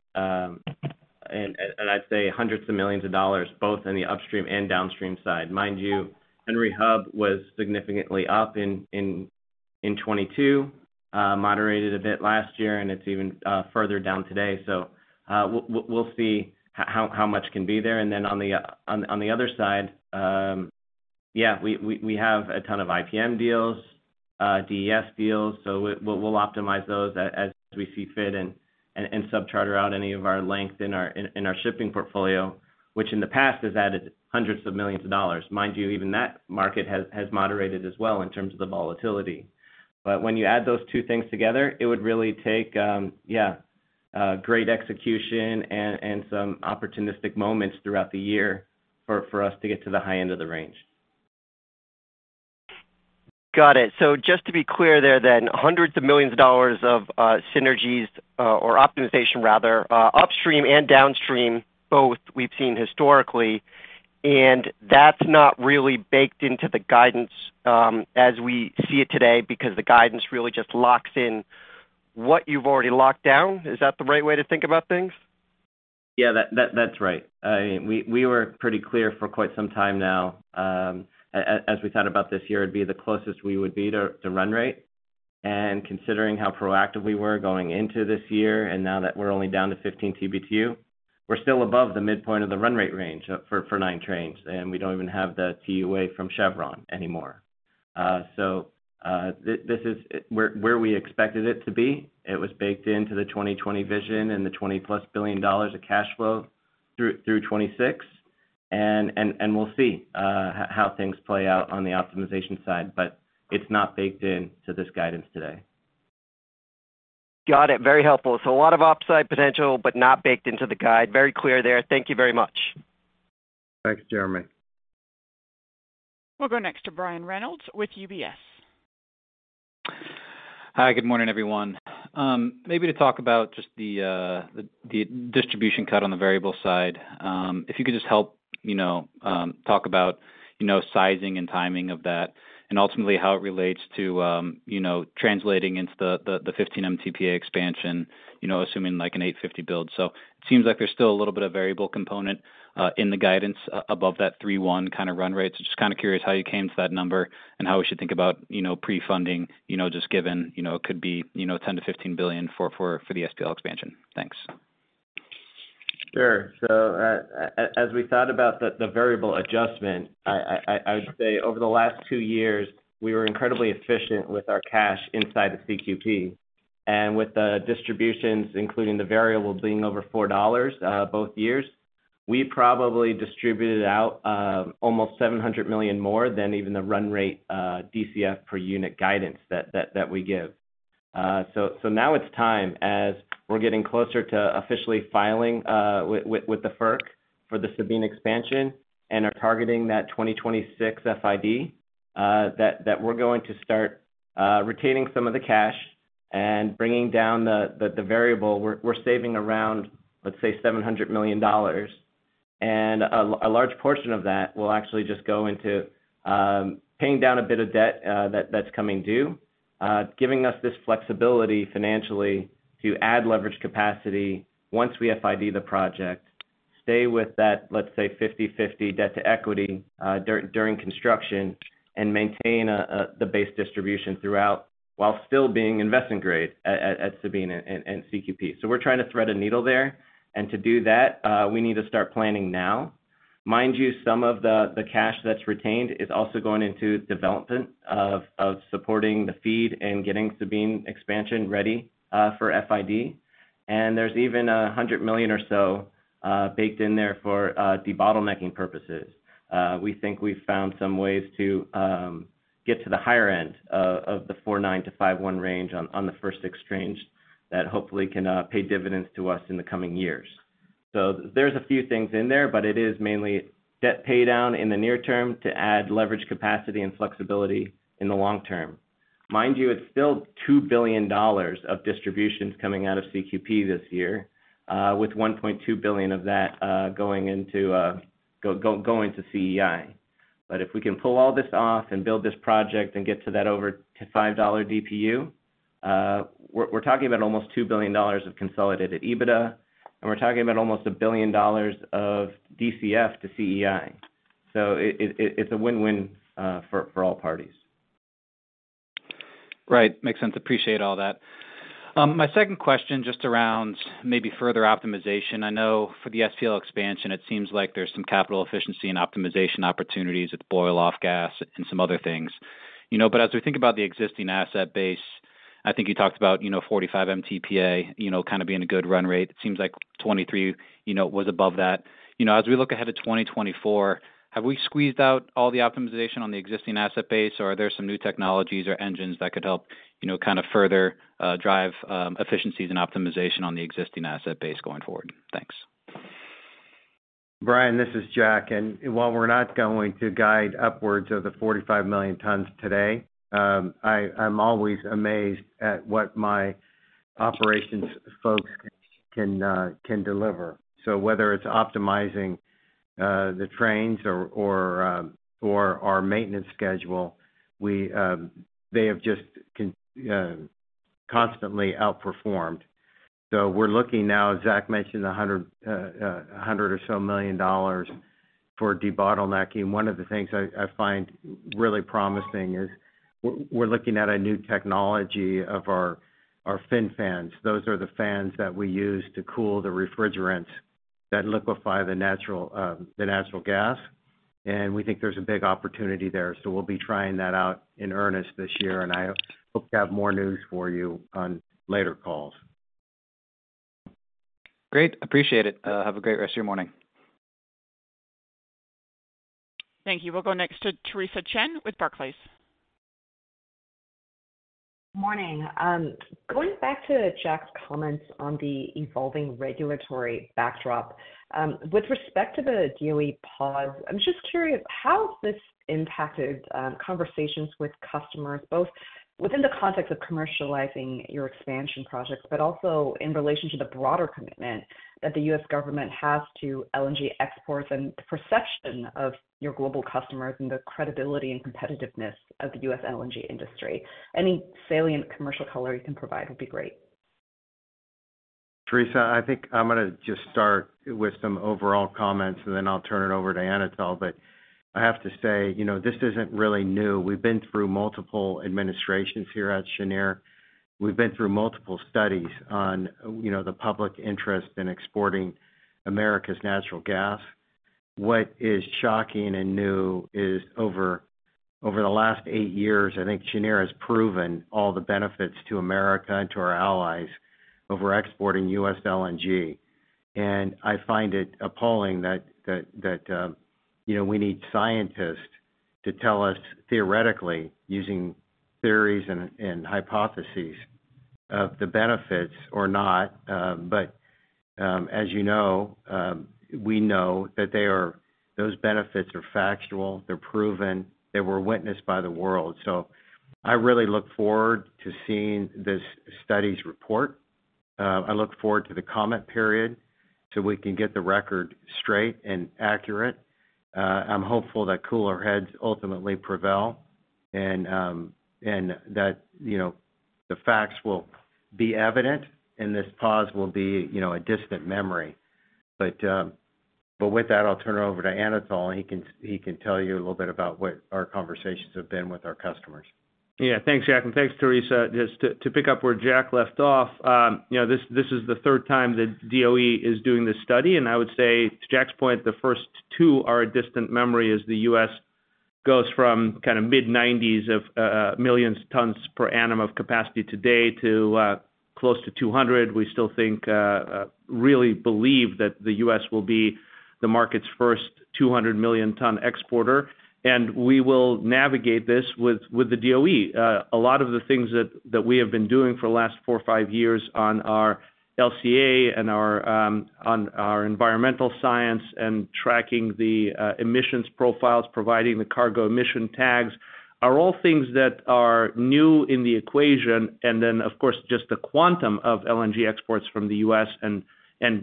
And I'd say hundreds of millions of dollars both in the upstream and downstream side. Mind you, Henry Hub was significantly up in 2022, moderated a bit last year, and it's even further down today. So we'll see how much can be there. And then on the other side, yeah, we have a ton of IPM deals, DES deals. So we'll optimize those as we see fit and subcharter out any of our length in our shipping portfolio, which in the past has added hundreds of millions of dollars. Mind you, even that market has moderated as well in terms of the volatility. When you add those two things together, it would really take, yeah, great execution and some opportunistic moments throughout the year for us to get to the high end of the range. Got it. So just to be clear there then, hundreds of millions of dollars of synergies or optimization, rather, upstream and downstream, both we've seen historically. And that's not really baked into the guidance as we see it today because the guidance really just locks in what you've already locked down. Is that the right way to think about things? Yeah, that's right. I mean, we were pretty clear for quite some time now. As we thought about this year, it'd be the closest we would be to run rate. And considering how proactive we were going into this year and now that we're only down to 15 TBTU, we're still above the midpoint of the run rate range for nine trains. And we don't even have the TUA from Chevron anymore. So this is where we expected it to be. It was baked into the 2020 vision and the $20+ billion of cash flow through 2026. And we'll see how things play out on the optimization side. But it's not baked into this guidance today. Got it. Very helpful. So a lot of upside potential but not baked into the guide. Very clear there. Thank you very much. Thanks, Jeremy. We'll go next to Brian Reynolds with UBS. Hi. Good morning, everyone. Maybe to talk about just the distribution cut on the variable side. If you could just help talk about sizing and timing of that and ultimately how it relates to translating into the 15 MTPA expansion, assuming an 850 build. So it seems like there's still a little bit of variable component in the guidance above that 31 kind of run rate. So just kind of curious how you came to that number and how we should think about pre-funding just given it could be $10 to 15 billion for the SPL expansion. Thanks. Sure. So as we thought about the variable adjustment, I would say over the last 2 years, we were incredibly efficient with our cash inside the CQP. With the distributions, including the variable being over $4 both years, we probably distributed out almost $700 million more than even the run rate DCF per unit guidance that we give. So now it's time as we're getting closer to officially filing with the FERC for the Sabine Expansion and are targeting that 2026 FID that we're going to start retaining some of the cash and bringing down the variable. We're saving around, let's say, $700 million. And a large portion of that will actually just go into paying down a bit of debt that's coming due, giving us this flexibility financially to add leverage capacity once we FID the project, stay with that, let's say, 50/50 debt to equity during construction, and maintain the base distribution throughout while still being investment-grade at Sabine and CQP. So we're trying to thread a needle there. And to do that, we need to start planning now. Mind you, some of the cash that's retained is also going into development of supporting the feed and getting Sabine expansion ready for FID. And there's even a $100 million or so baked in there for debottlenecking purposes. We think we've found some ways to get to the higher end of the $4.9 to 5.1 range on the first exchange that hopefully can pay dividends to us in the coming years. So there's a few things in there, but it is mainly debt paydown in the near term to add leverage capacity and flexibility in the long term. Mind you, it's still $2 billion of distributions coming out of CQP this year, with $1.2 billion of that going into CEI. But if we can pull all this off and build this project and get to that over $5 DPU, we're talking about almost $2 billion of consolidated EBITDA, and we're talking about almost $1 billion of DCF to CEI. So it's a win-win for all parties. Right. Makes sense. Appreciate all that. My second question just around maybe further optimization. I know for the SPL Expansion, it seems like there's some capital efficiency and optimization opportunities with boil-off gas and some other things. But as we think about the existing asset base, I think you talked about 45 MTPA kind of being a good run rate. It seems like 2023 was above that. As we look ahead to 2024, have we squeezed out all the optimization on the existing asset base, or are there some new technologies or engines that could help kind of further drive efficiencies and optimization on the existing asset base going forward? Thanks. Brian, this is Jack. While we're not going to guide upwards of 45 million tons today, I'm always amazed at what my operations folks can deliver. So whether it's optimizing the trains or our maintenance schedule, they have just constantly outperformed. So we're looking now. Zach mentioned $100 million or so for debottlenecking. One of the things I find really promising is we're looking at a new technology of our fin fans. Those are the fans that we use to cool the refrigerants that liquefy the natural gas. And we think there's a big opportunity there. So we'll be trying that out in earnest this year. And I hope to have more news for you on later calls. Great. Appreciate it. Have a great rest of your morning. Thank you. We'll go next to Theresa Chen with Barclays. Good morning. Going back to Jack's comments on the evolving regulatory backdrop, with respect to the DOE pause, I'm just curious, how has this impacted conversations with customers, both within the context of commercializing your expansion projects but also in relation to the broader commitment that the US government has to LNG exports and the perception of your global customers and the credibility and competitiveness of the US LNG industry? Any salient commercial color you can provide would be great. Theresa, I think I'm going to just start with some overall comments, and then I'll turn it over to Anatol. But I have to say, this isn't really new. We've been through multiple administrations here at Cheniere. We've been through multiple studies on the public interest in exporting America's natural gas. What is shocking and new is over the last eight years, I think Cheniere has proven all the benefits to America and to our allies over exporting US LNG. And I find it appalling that we need scientists to tell us theoretically, using theories and hypotheses, of the benefits or not. But as you know, we know that those benefits are factual. They're proven. They were witnessed by the world. So I really look forward to seeing this study's report. I look forward to the comment period so we can get the record straight and accurate. I'm hopeful that cooler heads ultimately prevail and that the facts will be evident and this pause will be a distant memory. But with that, I'll turn it over to Anatol. And he can tell you a little bit about what our conversations have been with our customers. Yeah. Thanks, Jack. And thanks, Theresa. Just to pick up where Jack left off, this is the third time the DOE is doing this study. And I would say, to Jack's point, the first two are a distant memory as the US goes from kind of mid-90s of millions of tons per annum of capacity today to close to 200. We still think really believe that the US will be the market's first 200 million-ton exporter. And we will navigate this with the DOE. A lot of the things that we have been doing for the last four or five years on our LCA and on our environmental science and tracking the emissions profiles, providing the cargo emission tags, are all things that are new in the equation. And then, of course, just the quantum of LNG exports from the US and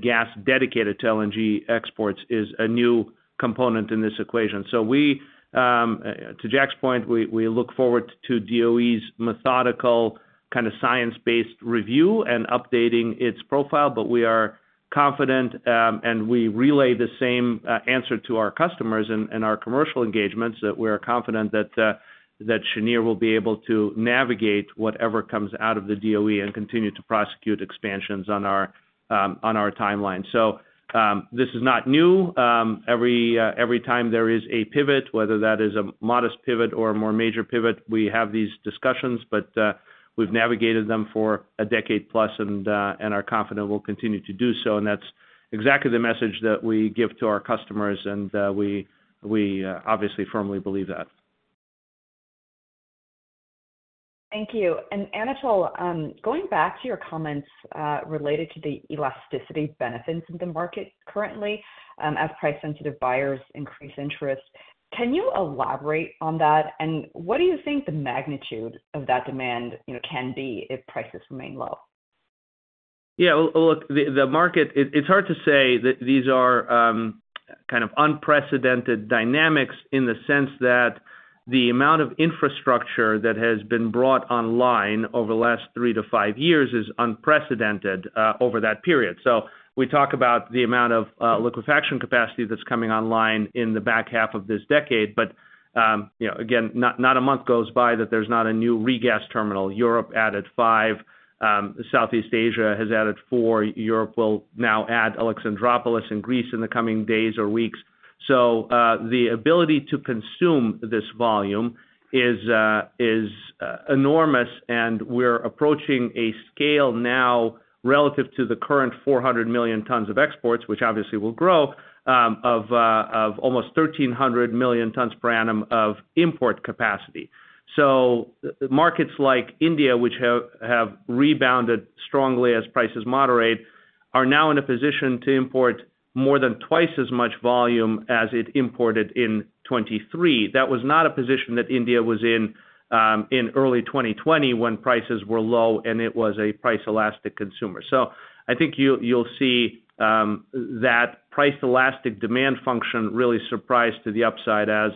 gas dedicated to LNG exports is a new component in this equation. So to Jack's point, we look forward to DOE's methodical kind of science-based review and updating its profile. But we are confident, and we relay the same answer to our customers and our commercial engagements, that we are confident that Cheniere will be able to navigate whatever comes out of the DOE and continue to prosecute expansions on our timeline. So this is not new. Every time there is a pivot, whether that is a modest pivot or a more major pivot, we have these discussions. But we've navigated them for a decade plus, and are confident we'll continue to do so. And that's exactly the message that we give to our customers. And we obviously firmly believe that. Thank you. And Anatol, going back to your comments related to the elasticity benefits in the market currently as price-sensitive buyers increase interest, can you elaborate on that? And what do you think the magnitude of that demand can be if prices remain low? Yeah. Well, look, the market, it's hard to say that these are kind of unprecedented dynamics in the sense that the amount of infrastructure that has been brought online over the last three to five years is unprecedented over that period. So we talk about the amount of liquefaction capacity that's coming online in the back half of this decade. But again, not a month goes by that there's not a new regas terminal. Europe added five. Southeast Asia has added four. Europe will now add Alexandroupolis in Greece in the coming days or weeks. So the ability to consume this volume is enormous. And we're approaching a scale now relative to the current 400 million tons of exports, which obviously will grow, of almost 1,300 million tons per annum of import capacity. So markets like India, which have rebounded strongly as prices moderate, are now in a position to import more than twice as much volume as it imported in 2023. That was not a position that India was in in early 2020 when prices were low, and it was a price-elastic consumer. So I think you'll see that price-elastic demand function really surprise to the upside as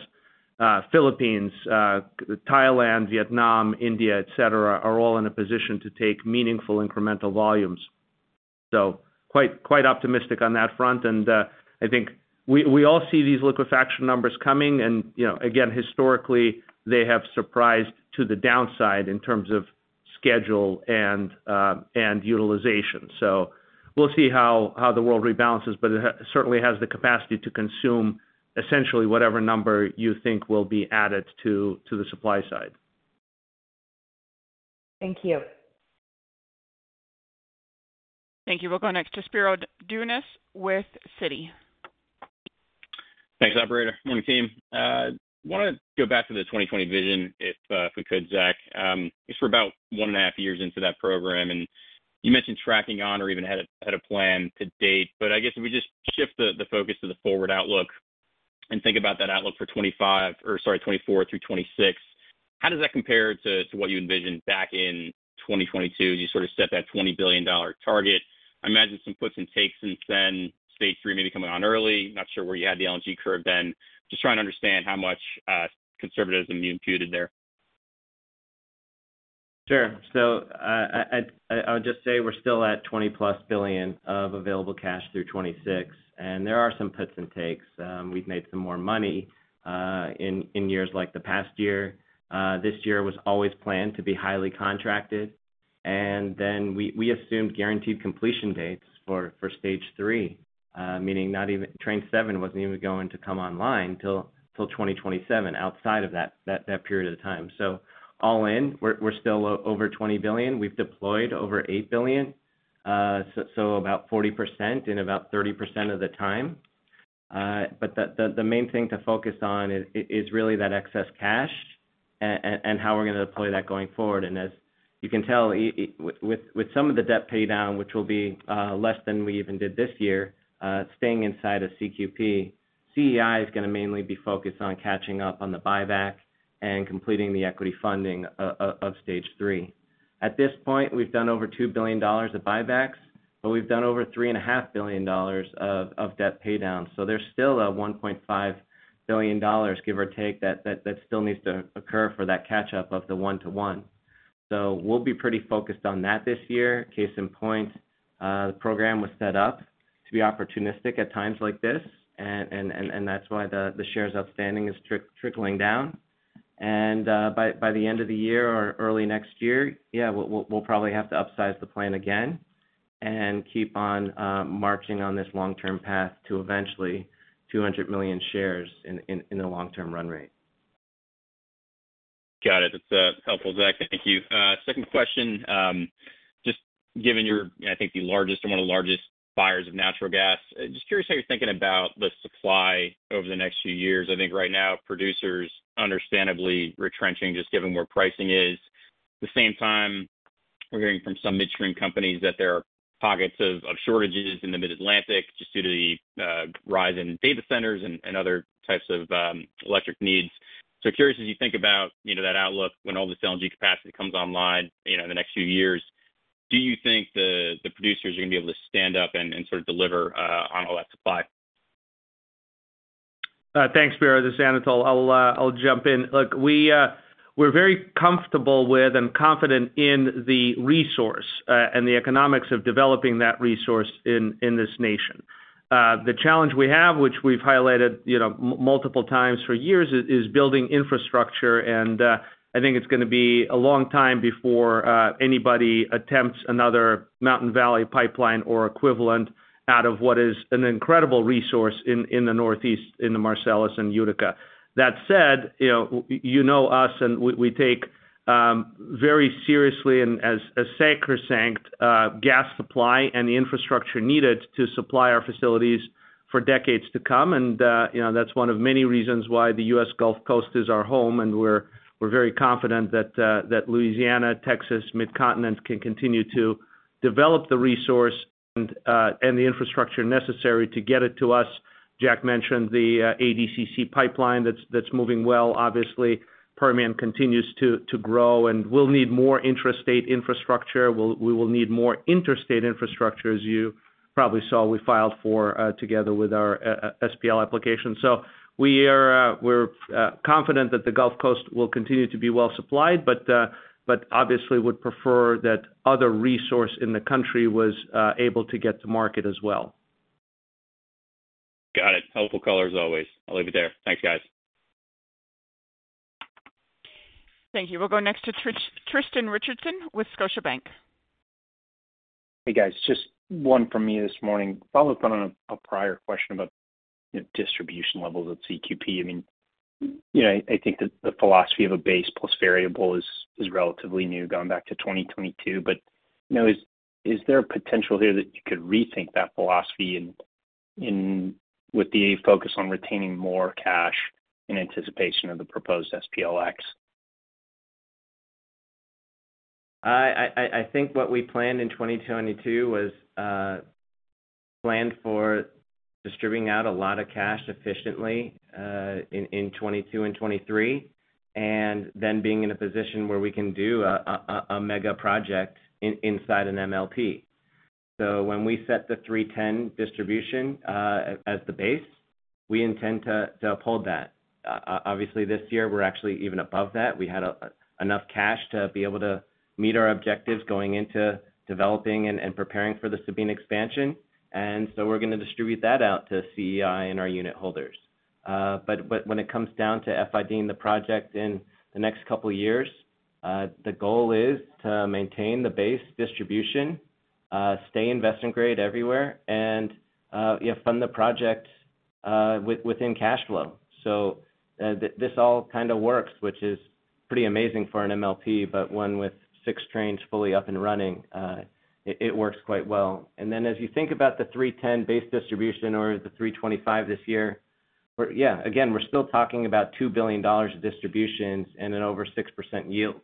Philippines, Thailand, Vietnam, India, etc., are all in a position to take meaningful incremental volumes. So quite optimistic on that front. And I think we all see these liquefaction numbers coming. And again, historically, they have surprised to the downside in terms of schedule and utilization. So we'll see how the world rebalances. But it certainly has the capacity to consume essentially whatever number you think will be added to the supply side. Thank you. Thank you. We'll go next to Spiro Dounis with Citi. Thanks, Operator. Morning, team. I want to go back to the 2020 vision, if we could, Zach, just for about one and a half years into that program. And you mentioned tracking on or even had a plan to date. But I guess if we just shift the focus to the forward outlook and think about that outlook for 2025 or sorry, 2024 through 2026, how does that compare to what you envisioned back in 2022 as you sort of set that $20 billion target? I imagine some puts and takes since then, Stage 3 maybe coming on early. Not sure where you had the LNG curve then. Just trying to understand how much conservatism you imputed there. Sure. So I would just say we're still at $20+ billion of available cash through 2026. And there are some puts and takes. We've made some more money in years like the past year. This year was always planned to be highly contracted. And then we assumed guaranteed completion dates for Stage 3, meaning Train 7 wasn't even going to come online until 2027 outside of that period of time. So all in, we're still over $20 billion. We've deployed over $8 billion, so about 40% in about 30% of the time. But the main thing to focus on is really that excess cash and how we're going to deploy that going forward. As you can tell, with some of the debt paydown, which will be less than we even did this year, staying inside of CQP, CEI is going to mainly be focused on catching up on the buyback and completing the equity funding of Stage 3. At this point, we've done over $2 billion of buybacks, but we've done over $3.5 billion of debt paydown. So there's still a $1.5 billion, give or take, that still needs to occur for that catch-up of the one-to-one. So we'll be pretty focused on that this year. Case in point, the program was set up to be opportunistic at times like this. And that's why the shares outstanding is trickling down. By the end of the year or early next year, yeah, we'll probably have to upsize the plan again and keep on marching on this long-term path to eventually 200 million shares in the long-term run rate. Got it. That's helpful, Zach. Thank you. Second question, just given you're, I think, the largest or one of the largest buyers of natural gas, just curious how you're thinking about the supply over the next few years. I think right now, producers understandably retrenching just given where pricing is. At the same time, we're hearing from some midstream companies that there are pockets of shortages in the Mid-Atlantic just due to the rise in data centers and other types of electric needs. So curious, as you think about that outlook, when all this LNG capacity comes online in the next few years, do you think the producers are going to be able to stand up and sort of deliver on all that supply? Thanks, Spiro. This is Anatol. I'll jump in. Look, we're very comfortable with and confident in the resource and the economics of developing that resource in this nation. The challenge we have, which we've highlighted multiple times for years, is building infrastructure. I think it's going to be a long time before anybody attempts another Mountain Valley Pipeline or equivalent out of what is an incredible resource in the Northeast, in the Marcellus and Utica. That said, you know us, and we take very seriously and as sacrosanct gas supply and the infrastructure needed to supply our facilities for decades to come. That's one of many reasons why the US Gulf Coast is our home. We're very confident that Louisiana, Texas, Midcontinent can continue to develop the resource and the infrastructure necessary to get it to us. Jack mentioned the ADCC Pipeline that's moving well, obviously. Permian continues to grow. And we'll need more intrastate infrastructure. We will need more interstate infrastructure, as you probably saw we filed for together with our SPL application. So we're confident that the Gulf Coast will continue to be well supplied, but obviously would prefer that other resource in the country was able to get to market as well. Got it. Helpful colors always. I'll leave it there. Thanks, guys. Thank you. We'll go next to Tristan Richardson with Scotiabank. Hey, guys. Just one from me this morning, followed up on a prior question about distribution levels at CQP. I mean, I think that the philosophy of a base plus variable is relatively new, going back to 2022. But is there a potential here that you could rethink that philosophy with the focus on retaining more cash in anticipation of the proposed SPLX? I think what we planned in 2022 was planned for distributing out a lot of cash efficiently in 2022 and 2023 and then being in a position where we can do a mega project inside an MLP. So when we set the $3.10 distribution as the base, we intend to uphold that. Obviously, this year, we're actually even above that. We had enough cash to be able to meet our objectives going into developing and preparing for the Sabine expansion. And so we're going to distribute that out to CEI and our unit holders. But when it comes down to FID-ing the project in the next couple of years, the goal is to maintain the base distribution, stay investment-grade everywhere, and fund the project within cash flow. This all kind of works, which is pretty amazing for an MLP, but one with six trains fully up and running, it works quite well. Then as you think about the $3.10 base distribution or the $3.25 this year, yeah, again, we're still talking about $2 billion of distributions and an over 6% yield.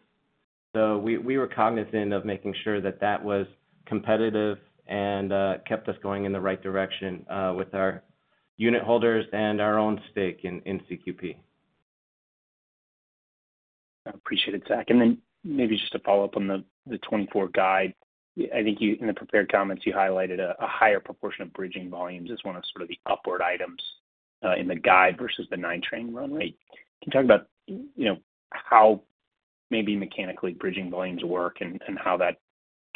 We were cognizant of making sure that that was competitive and kept us going in the right direction with our unit holders and our own stake in CQP. I appreciate it, Zach. And then maybe just to follow up on the 2024 guide, I think in the prepared comments, you highlighted a higher proportion of bridging volumes as one of sort of the upward items in the guide versus the nine-train run rate. Can you talk about how maybe mechanically bridging volumes work and how that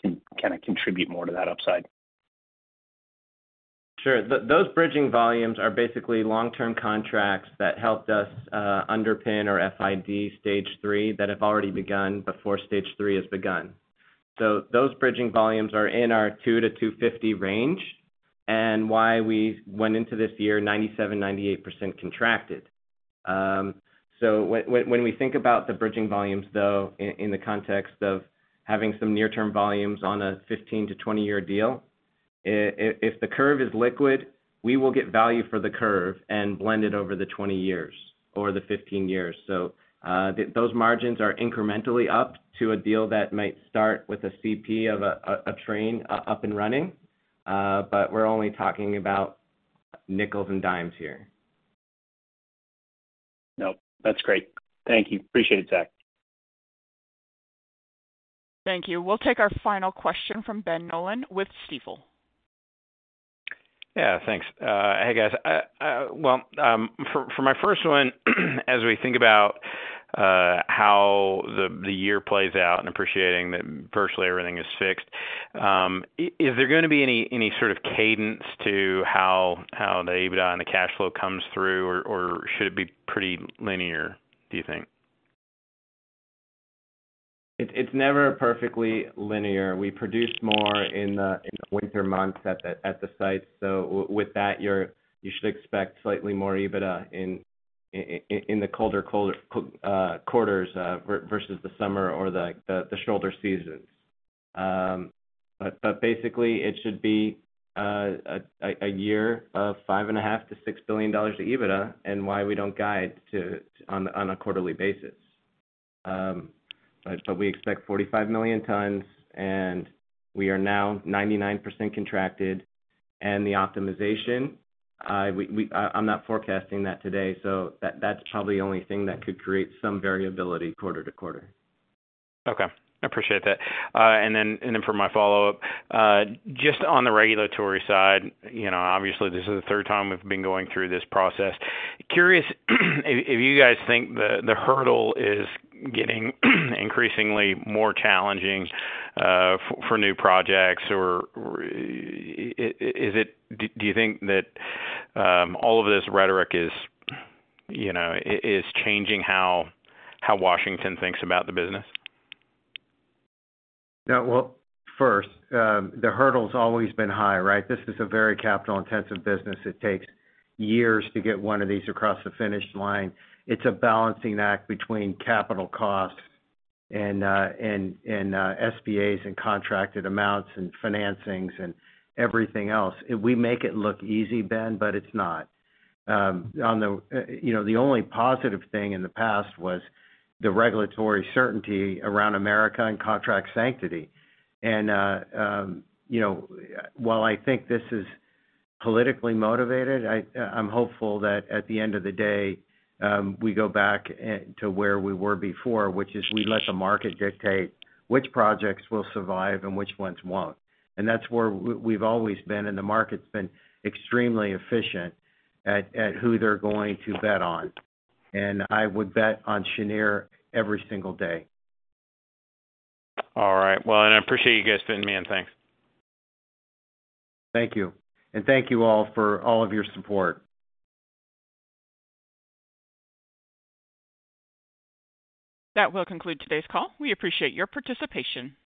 can kind of contribute more to that upside? Sure. Those bridging volumes are basically long-term contracts that helped us underpin or FID stage three that have already begun before stage three has begun. So those bridging volumes are in our 2 to 250 range and why we went into this year 97% to 98% contracted. So when we think about the bridging volumes, though, in the context of having some near-term volumes on a 15-year to 20-year deal, if the curve is liquid, we will get value for the curve and blend it over the 20 years or the 15 years. So those margins are incrementally up to a deal that might start with a CP of a train up and running. But we're only talking about nickels and dimes here. Nope. That's great. Thank you. Appreciate it, Zach. Thank you. We'll take our final question from Ben Nolan with Stifel. Yeah. Thanks. Hey, guys. Well, for my first one, as we think about how the year plays out and appreciating that virtually everything is fixed, is there going to be any sort of cadence to how the EBITDA and the cash flow comes through, or should it be pretty linear, do you think? It's never perfectly linear. We produce more in the winter months at the sites. So with that, you should expect slightly more EBITDA in the colder quarters versus the summer or the shoulder seasons. But basically, it should be a year of $5.5 to 6 billion of EBITDA and why we don't guide on a quarterly basis. But we expect 45 million tons, and we are now 99% contracted. And the optimization, I'm not forecasting that today. So that's probably the only thing that could create some variability quarter-to-quarter. Okay. I appreciate that. And then for my follow-up, just on the regulatory side, obviously, this is the third time we've been going through this process. Curious if you guys think the hurdle is getting increasingly more challenging for new projects, or do you think that all of this rhetoric is changing how Washington thinks about the business? Yeah. Well, first, the hurdle's always been high, right? This is a very capital-intensive business. It takes years to get one of these across the finish line. It's a balancing act between capital costs and SPAs and contracted amounts and financings and everything else. We make it look easy, Ben, but it's not. The only positive thing in the past was the regulatory certainty around America and contract sanctity. And while I think this is politically motivated, I'm hopeful that at the end of the day, we go back to where we were before, which is we let the market dictate which projects will survive and which ones won't. And that's where we've always been. And the market's been extremely efficient at who they're going to bet on. And I would bet on Cheniere every single day. All right. Well, I appreciate you guys spending, man. Thanks. Thank you. Thank you all for all of your support. That will conclude today's call. We appreciate your participation.